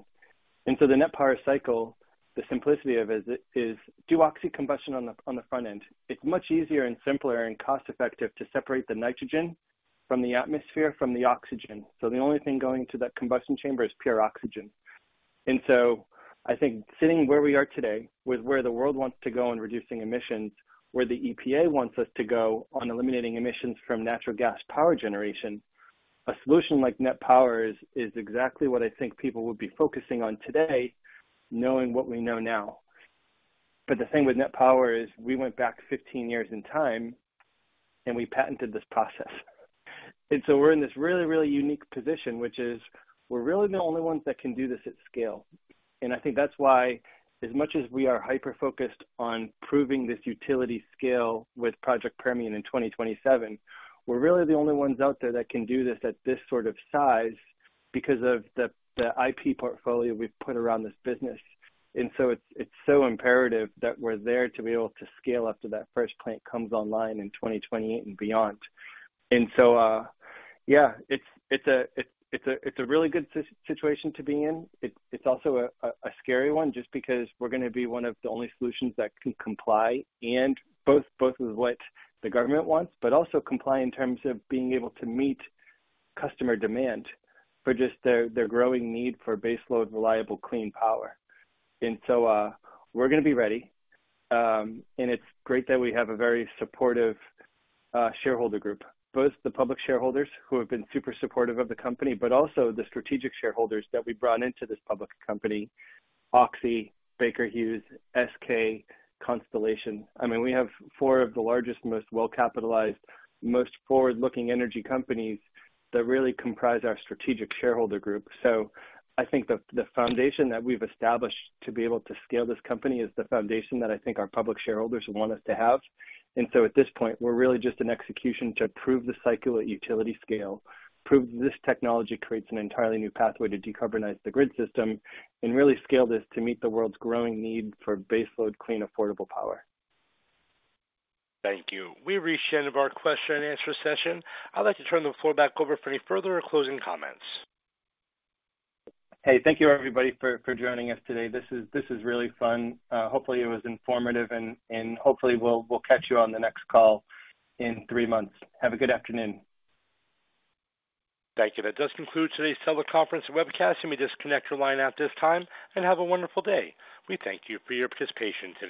And so the NET Power cycle, the simplicity of it is oxy-combustion on the front end. It's much easier and simpler and cost-effective to separate the nitrogen from the atmosphere from the oxygen. So the only thing going to that combustion chamber is pure oxygen. And so I think sitting where we are today with where the world wants to go in reducing emissions, where the EPA wants us to go on eliminating emissions from natural gas power generation, a solution like NET Power is exactly what I think people would be focusing on today knowing what we know now. But the thing with NET Power is we went back 15 years in time, and we patented this process. And so we're in this really, really unique position, which is we're really the only ones that can do this at scale. I think that's why as much as we are hyper-focused on proving this utility scale with Project Permian in 2027, we're really the only ones out there that can do this at this sort of size because of the IP portfolio we've put around this business. So it's so imperative that we're there to be able to scale after that first plant comes online in 2028 and beyond. Yeah, it's a really good situation to be in. It's also a scary one just because we're going to be one of the only solutions that can comply both with what the government wants but also comply in terms of being able to meet customer demand for just their growing need for baseload, reliable, clean power. So we're going to be ready. It's great that we have a very supportive shareholder group, both the public shareholders who have been super supportive of the company but also the strategic shareholders that we brought into this public company, Oxy, Baker Hughes, SK, Constellation. I mean, we have four of the largest, most well-capitalized, most forward-looking energy companies that really comprise our strategic shareholder group. So I think the foundation that we've established to be able to scale this company is the foundation that I think our public shareholders want us to have. And so at this point, we're really just an execution to prove the cycle at utility scale, prove that this technology creates an entirely new pathway to decarbonize the grid system, and really scale this to meet the world's growing need for baseload, clean, affordable power. Thank you. We reached the end of our question-and-answer session. I'd like to turn the floor back over for any further or closing comments. Hey, thank you, everybody, for joining us today. This is really fun. Hopefully, it was informative. Hopefully, we'll catch you on the next call in three months. Have a good afternoon. Thank you. That does conclude today's teleconference webcast. You may disconnect your line at this time and have a wonderful day. We thank you for your participation today.